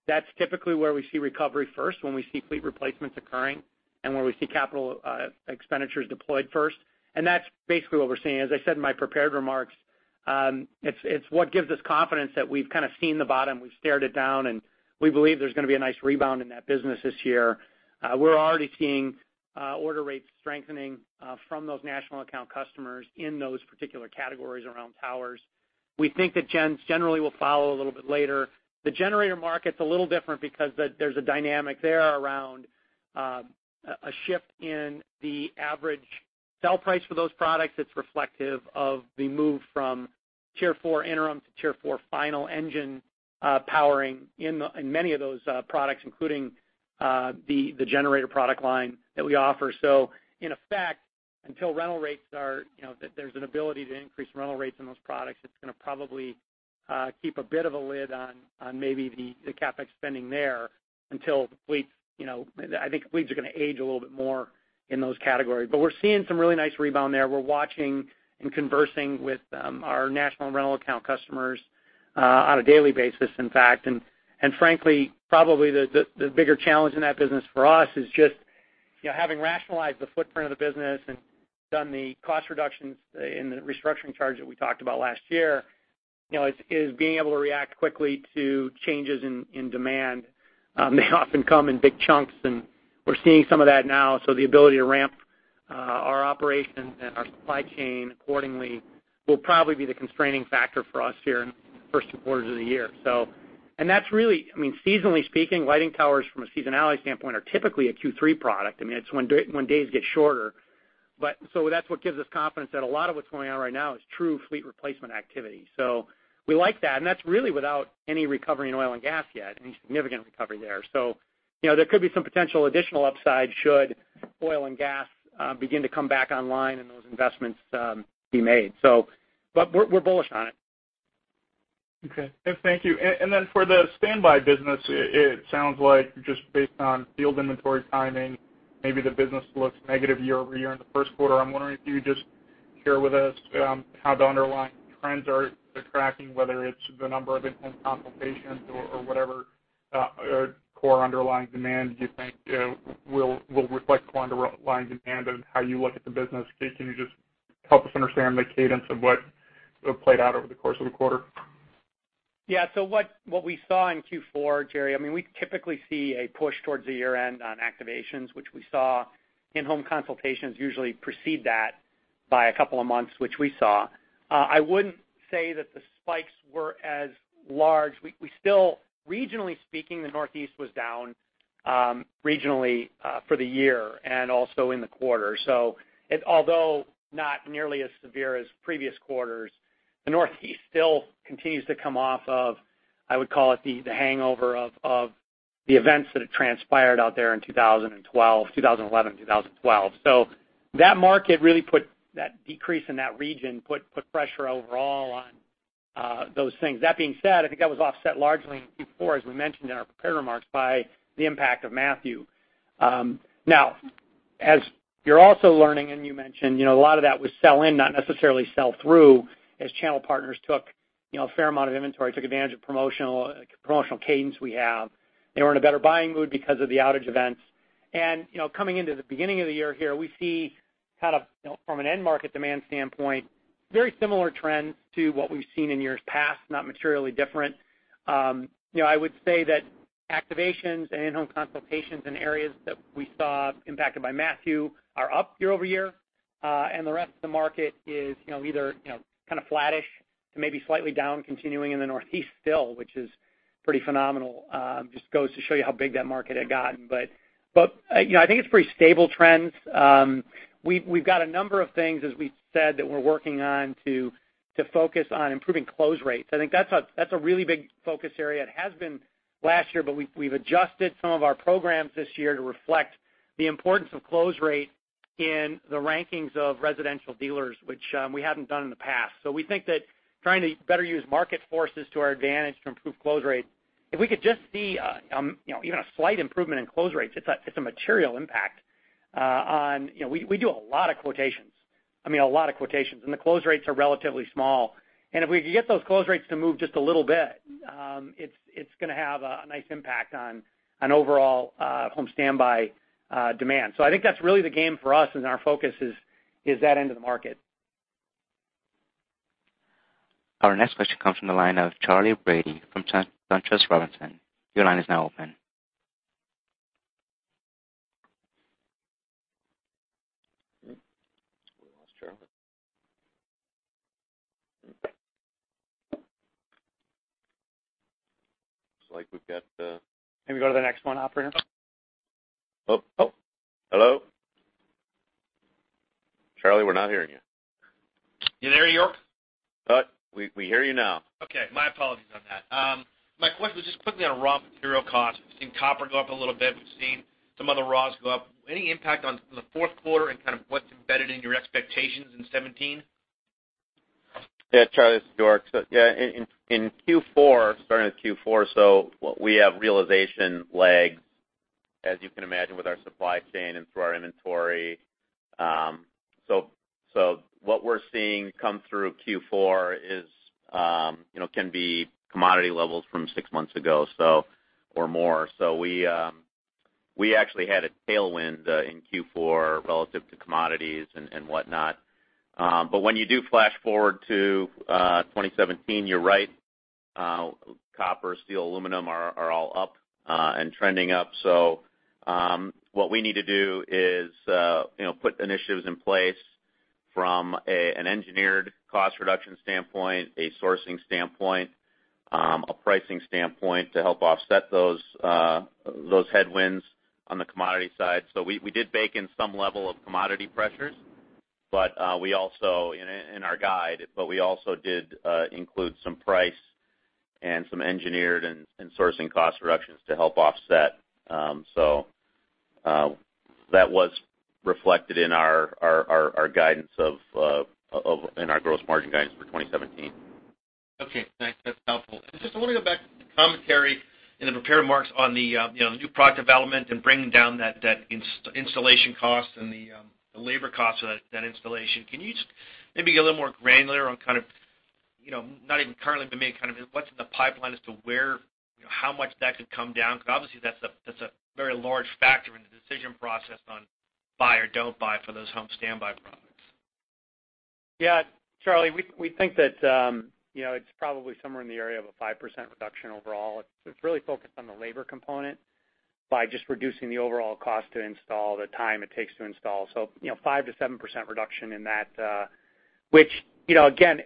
[SPEAKER 3] that's typically where we see recovery first, when we see fleet replacements occurring and where we see capital expenditures deployed first. That's basically what we're seeing. As I said in my prepared remarks, it's what gives us confidence that we've kind of seen the bottom, we've stared it down, and we believe there's going to be a nice rebound in that business this year. We're already seeing order rates strengthening from those national account customers in those particular categories around towers. We think that gens generally will follow a little bit later. The generator market's a little different because there's a dynamic there around a shift in the average sell price for those products that's reflective of the move from Tier 4 interim to Tier 4 final engine powering in many of those products, including the generator product line that we offer. In effect, until there's an ability to increase rental rates on those products, it's going to probably keep a bit of a lid on maybe the CapEx spending there until the fleets. I think fleets are going to age a little bit more in those categories. We're seeing some really nice rebound there. We're watching and conversing with our national rental account customers on a daily basis, in fact. Frankly, probably the bigger challenge in that business for us is just having rationalized the footprint of the business and done the cost reductions and the restructuring charge that we talked about last year, is being able to react quickly to changes in demand. They often come in big chunks, and we're seeing some of that now. The ability to ramp our operations and our supply chain accordingly will probably be the constraining factor for us here in the first two quarters of the year. That's really, seasonally speaking, light towers from a seasonality standpoint are typically a Q3 product. It's when days get shorter. That's what gives us confidence that a lot of what's going on right now is true fleet replacement activity. We like that, and that's really without any recovery in oil and gas yet, any significant recovery there. There could be some potential additional upside should oil and gas begin to come back online and those investments be made. We're bullish on it.
[SPEAKER 7] Okay. Thank you. For the standby business, it sounds like just based on field inventory timing, maybe the business looks negative year-over-year in the first quarter. I'm wondering if you would just share with us how the underlying trends are tracking, whether it's the number of intense consultations or whatever core underlying demand, do you think will reflect core underlying demand and how you look at the business? Can you just help us understand the cadence of what played out over the course of the quarter?
[SPEAKER 3] Yeah. What we saw in Q4, Jerry, we typically see a push towards the year-end on activations, which we saw. In-home consultations usually precede that by a couple of months, which we saw. I wouldn't say that the spikes were as large. Regionally speaking, the Northeast was down regionally for the year and also in the quarter. Although not nearly as severe as previous quarters, the Northeast still continues to come off of, I would call it, the hangover of the events that had transpired out there in 2011 and 2012. That market, that decrease in that region, put pressure overall on those things. That being said, I think that was offset largely in Q4, as we mentioned in our prepared remarks, by the impact of Matthew. Now, as you're also learning, and you mentioned, a lot of that was sell-in, not necessarily sell-through, as channel partners took a fair amount of inventory, took advantage of promotional cadence we have. They were in a better buying mood because of the outage events. Coming into the beginning of the year here, we see from an end market demand standpoint, very similar trends to what we've seen in years past, not materially different. I would say that activations and in-home consultations in areas that we saw impacted by Matthew are up year-over-year. The rest of the market is either flat-ish to maybe slightly down, continuing in the Northeast still, which is pretty phenomenal. Just goes to show you how big that market had gotten. I think it's pretty stable trends. We've got a number of things, as we said, that we're working on to focus on improving close rates. I think that's a really big focus area. It has been last year, but we've adjusted some of our programs this year to reflect the importance of close rate in the rankings of residential dealers, which we haven't done in the past. We think that trying to better use market forces to our advantage to improve close rates. If we could just see even a slight improvement in close rates, it's a material impact. We do a lot of quotations, and the close rates are relatively small. If we can get those close rates to move just a little bit, it's going to have a nice impact on overall home standby demand. I think that's really the game for us, and our focus is that end of the market.
[SPEAKER 1] Our next question comes from the line of Charley Brady from SunTrust Robinson Humphrey. Your line is now open.
[SPEAKER 4] We lost Charley. Looks like we've got.
[SPEAKER 3] Can we go to the next one, operator?
[SPEAKER 4] Oh. Hello? Charley, we're not hearing you.
[SPEAKER 8] You there, York?
[SPEAKER 4] We hear you now.
[SPEAKER 8] Okay. My apologies on that. My question was just quickly on raw material costs. We've seen copper go up a little bit. We've seen some other raws go up. Any impact on the fourth quarter and what's embedded in your expectations in 2017?
[SPEAKER 4] Yeah, Charley, this is York. Yeah, in Q4, starting with Q4, we have realization lags, as you can imagine, with our supply chain and through our inventory. What we're seeing come through Q4 can be commodity levels from six months ago, or more. We actually had a tailwind in Q4 relative to commodities and whatnot. When you do flash forward to 2017, you're right. Copper, steel, aluminum are all up, and trending up. What we need to do is put initiatives in place from an engineered cost reduction standpoint, a sourcing standpoint, a pricing standpoint to help offset those headwinds on the commodity side. We did bake in some level of commodity pressures in our guide, but we also did include some price and some engineered and sourcing cost reductions to help offset. That was reflected in our gross margin guidance for 2017.
[SPEAKER 8] Okay. Thanks. That's helpful. Just I want to go back to the commentary in the prepared remarks on the new product development and bringing down that installation cost and the labor cost for that installation. Can you just maybe get a little more granular on, not even currently, but maybe what's in the pipeline as to how much that could come down? Because obviously that's a very large factor in the decision process on buy or don't buy for those home standby products.
[SPEAKER 3] Yeah, Charley, we think that it's probably somewhere in the area of a 5% reduction overall. It's really focused on the labor component by just reducing the overall cost to install, the time it takes to install. 5%-7% reduction in that, which, again,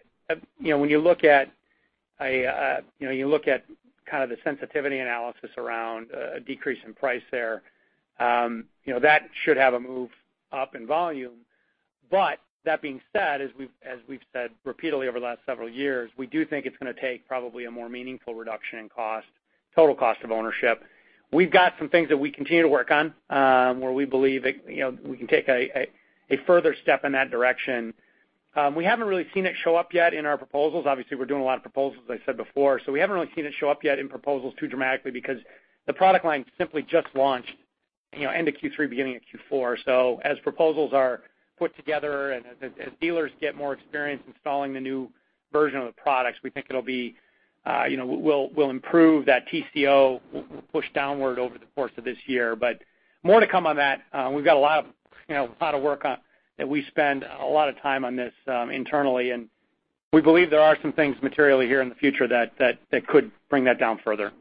[SPEAKER 3] when you look at the sensitivity analysis around a decrease in price there, that should have a move up in volume. That being said, as we've said repeatedly over the last several years, we do think it's going to take probably a more meaningful reduction in cost, total cost of ownership. We've got some things that we continue to work on, where we believe that we can take a further step in that direction. We haven't really seen it show up yet in our proposals. Obviously, we're doing a lot of proposals, as I said before. We haven't really seen it show up yet in proposals too dramatically because the product line simply just launched. End of Q3, beginning of Q4. As proposals are put together and as dealers get more experience installing the new version of the products, we think we'll improve that total cost of ownership push downward over the course of this year. More to come on that. We've got a lot of work on that. We spend a lot of time on this internally, and we believe there are some things materially here in the future that could bring that down further.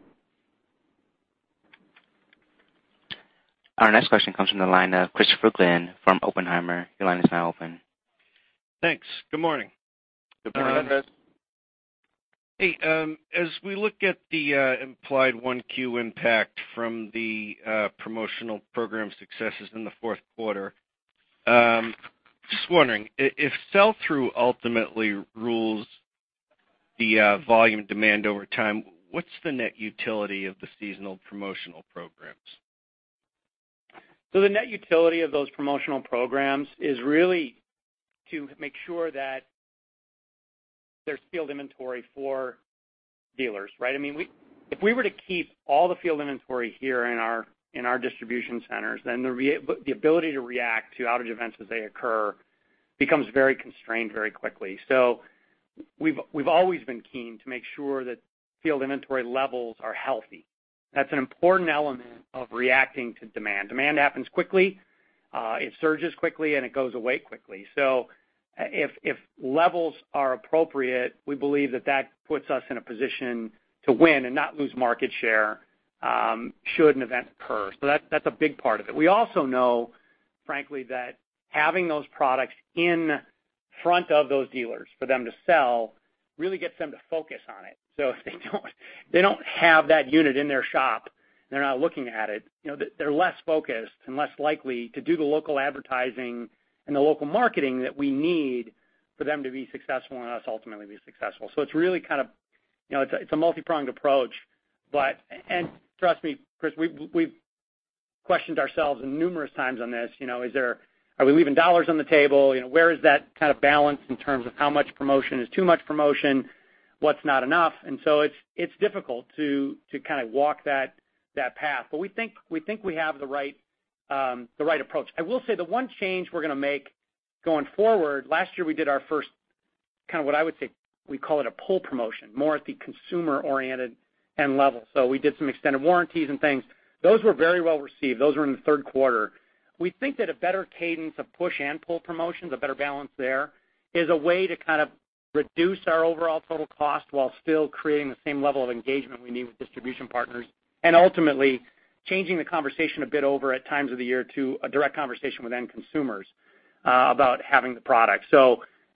[SPEAKER 1] Our next question comes from the line of Christopher Glynn from Oppenheimer. Your line is now open.
[SPEAKER 9] Thanks. Good morning.
[SPEAKER 3] Good morning, Christopher.
[SPEAKER 9] Hey, as we look at the implied 1Q impact from the promotional program successes in the fourth quarter, just wondering, if sell-through ultimately rules the volume demand over time, what's the net utility of the seasonal promotional programs?
[SPEAKER 3] The net utility of those promotional programs is really to make sure that there's field inventory for dealers, right? If we were to keep all the field inventory here in our distribution centers, then the ability to react to outage events as they occur becomes very constrained very quickly. We've always been keen to make sure that field inventory levels are healthy. That's an important element of reacting to demand. Demand happens quickly, it surges quickly, and it goes away quickly. If levels are appropriate, we believe that that puts us in a position to win and not lose market share should an event occur. That's a big part of it. We also know, frankly, that having those products in front of those dealers for them to sell really gets them to focus on it. If they don't have that unit in their shop, they're not looking at it, they're less focused and less likely to do the local advertising and the local marketing that we need for them to be successful and us ultimately be successful. It's a multi-pronged approach. Trust me, Christopher, we've questioned ourselves numerous times on this. Are we leaving dollars on the table? Where is that kind of balance in terms of how much promotion is too much promotion? What's not enough? It's difficult to walk that path. We think we have the right approach. I will say the one change we're going to make going forward, last year we did our first kind of what I would say, we call it a pull promotion, more at the consumer-oriented end level. We did some extended warranties and things. Those were very well received. Those were in the third quarter. We think that a better cadence of push and pull promotions, a better balance there, is a way to reduce our overall total cost while still creating the same level of engagement we need with distribution partners, and ultimately changing the conversation a bit over at times of the year to a direct conversation with end consumers about having the product.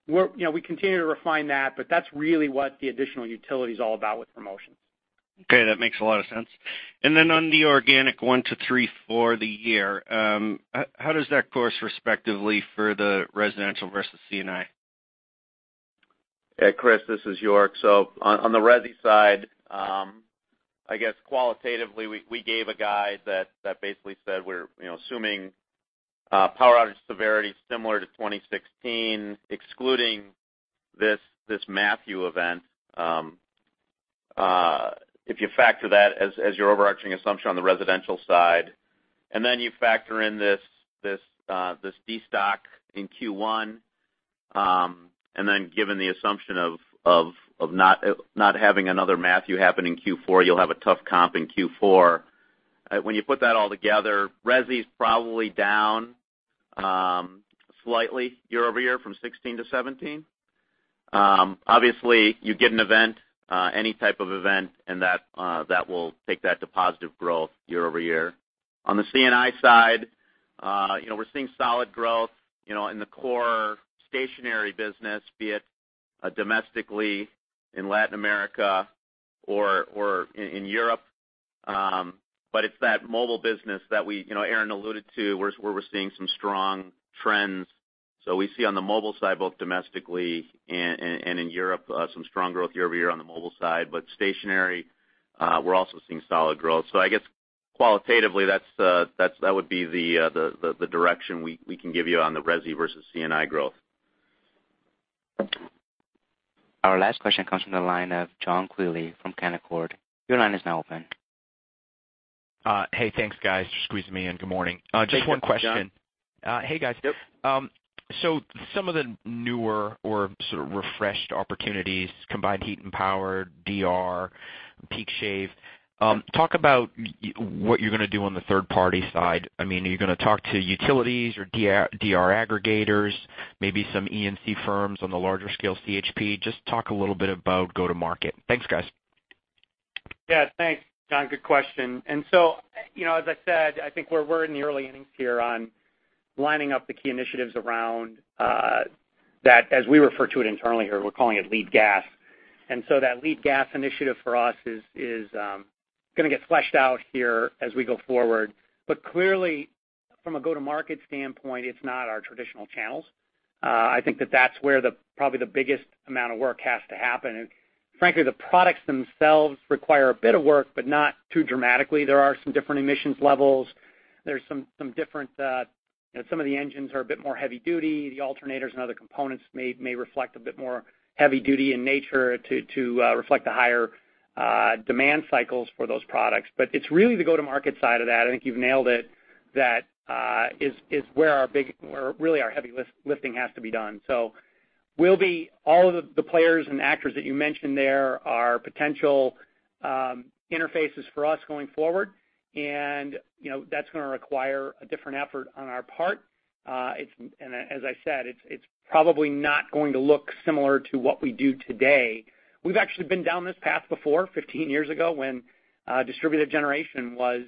[SPEAKER 3] We continue to refine that, but that's really what the additional utility is all about with promotions.
[SPEAKER 9] That makes a lot of sense. Then on the organic 1%-3% for the year, how does that course respectively for the residential versus C&I?
[SPEAKER 4] Chris, this is York. On the residential side, I guess qualitatively, we gave a guide that basically said we're assuming power outage severity similar to 2016, excluding this Matthew event. If you factor that as your overarching assumption on the residential side, then you factor in this destock in Q1, then given the assumption of not having another Matthew happen in Q4, you'll have a tough comp in Q4. When you put that all together, residential's probably down slightly year-over-year from 2016 to 2017. Obviously, you get an event, any type of event, and that will take that to positive growth year-over-year. On the C&I side, we're seeing solid growth in the core stationary business, be it domestically in Latin America or in Europe. It's that mobile business that Aaron alluded to, where we're seeing some strong trends. We see on the mobile side, both domestically and in Europe, some strong growth year-over-year on the mobile side, stationary, we're also seeing solid growth. I guess qualitatively, that would be the direction we can give you on the residential versus C&I growth.
[SPEAKER 1] Our last question comes from the line of John Quealy from Canaccord. Your line is now open.
[SPEAKER 10] Hey, thanks, guys, for squeezing me in. Good morning.
[SPEAKER 3] Good morning, John.
[SPEAKER 10] Just one question. Hey, guys.
[SPEAKER 3] Yep.
[SPEAKER 10] Some of the newer or sort of refreshed opportunities, combined heat and power, demand response, peak shave. Talk about what you're going to do on the third-party side. Are you going to talk to utilities or DR aggregators, maybe some E&C firms on the larger scale combined heat and power? Just talk a little bit about go to market. Thanks, guys.
[SPEAKER 3] Yeah. Thanks, John. Good question. As I said, I think we're in the early innings here on lining up the key initiatives around that, as we refer to it internally here, we're calling it Lead Gas. That Lead Gas initiative for us is going to get fleshed out here as we go forward. Clearly, from a go-to-market standpoint, it's not our traditional channels. I think that that's where probably the biggest amount of work has to happen. Frankly, the products themselves require a bit of work, but not too dramatically. There are some different emissions levels. Some of the engines are a bit more heavy duty. The alternators and other components may reflect a bit more heavy duty in nature to reflect the higher demand cycles for those products. It's really the go-to-market side of that, I think you've nailed it, that is where really our heavy lifting has to be done. All of the players and actors that you mentioned there are potential interfaces for us going forward, and that's going to require a different effort on our part. As I said, it's probably not going to look similar to what we do today. We've actually been down this path before, 15 years ago, when distributed generation was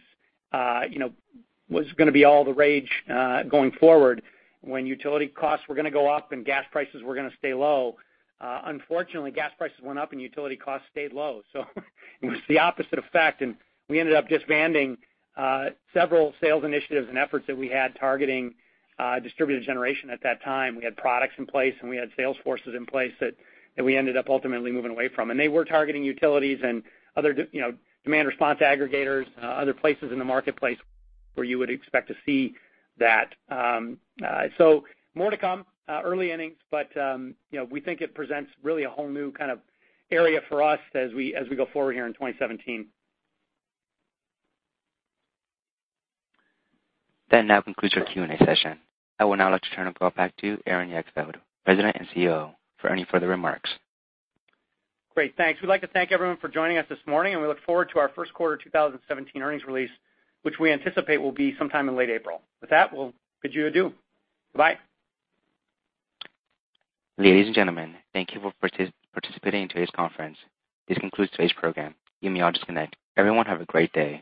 [SPEAKER 3] going to be all the rage going forward, when utility costs were going to go up and gas prices were going to stay low. Unfortunately, gas prices went up and utility costs stayed low. It was the opposite effect, and we ended up disbanding several sales initiatives and efforts that we had targeting distributed generation at that time. We had products in place, and we had sales forces in place that we ended up ultimately moving away from. They were targeting utilities and other demand response aggregators, other places in the marketplace where you would expect to see that. More to come. Early innings, We think it presents really a whole new area for us as we go forward here in 2017.
[SPEAKER 1] That now concludes our Q&A session. I would now like to turn the call back to Aaron Jagdfeld, President and CEO, for any further remarks.
[SPEAKER 3] Great. Thanks. We'd like to thank everyone for joining us this morning, and we look forward to our first quarter 2017 earnings release, which we anticipate will be sometime in late April. With that, we'll bid you adieu. Bye.
[SPEAKER 1] Ladies and gentlemen, thank you for participating in today's conference. This concludes today's program. You may all disconnect. Everyone have a great day.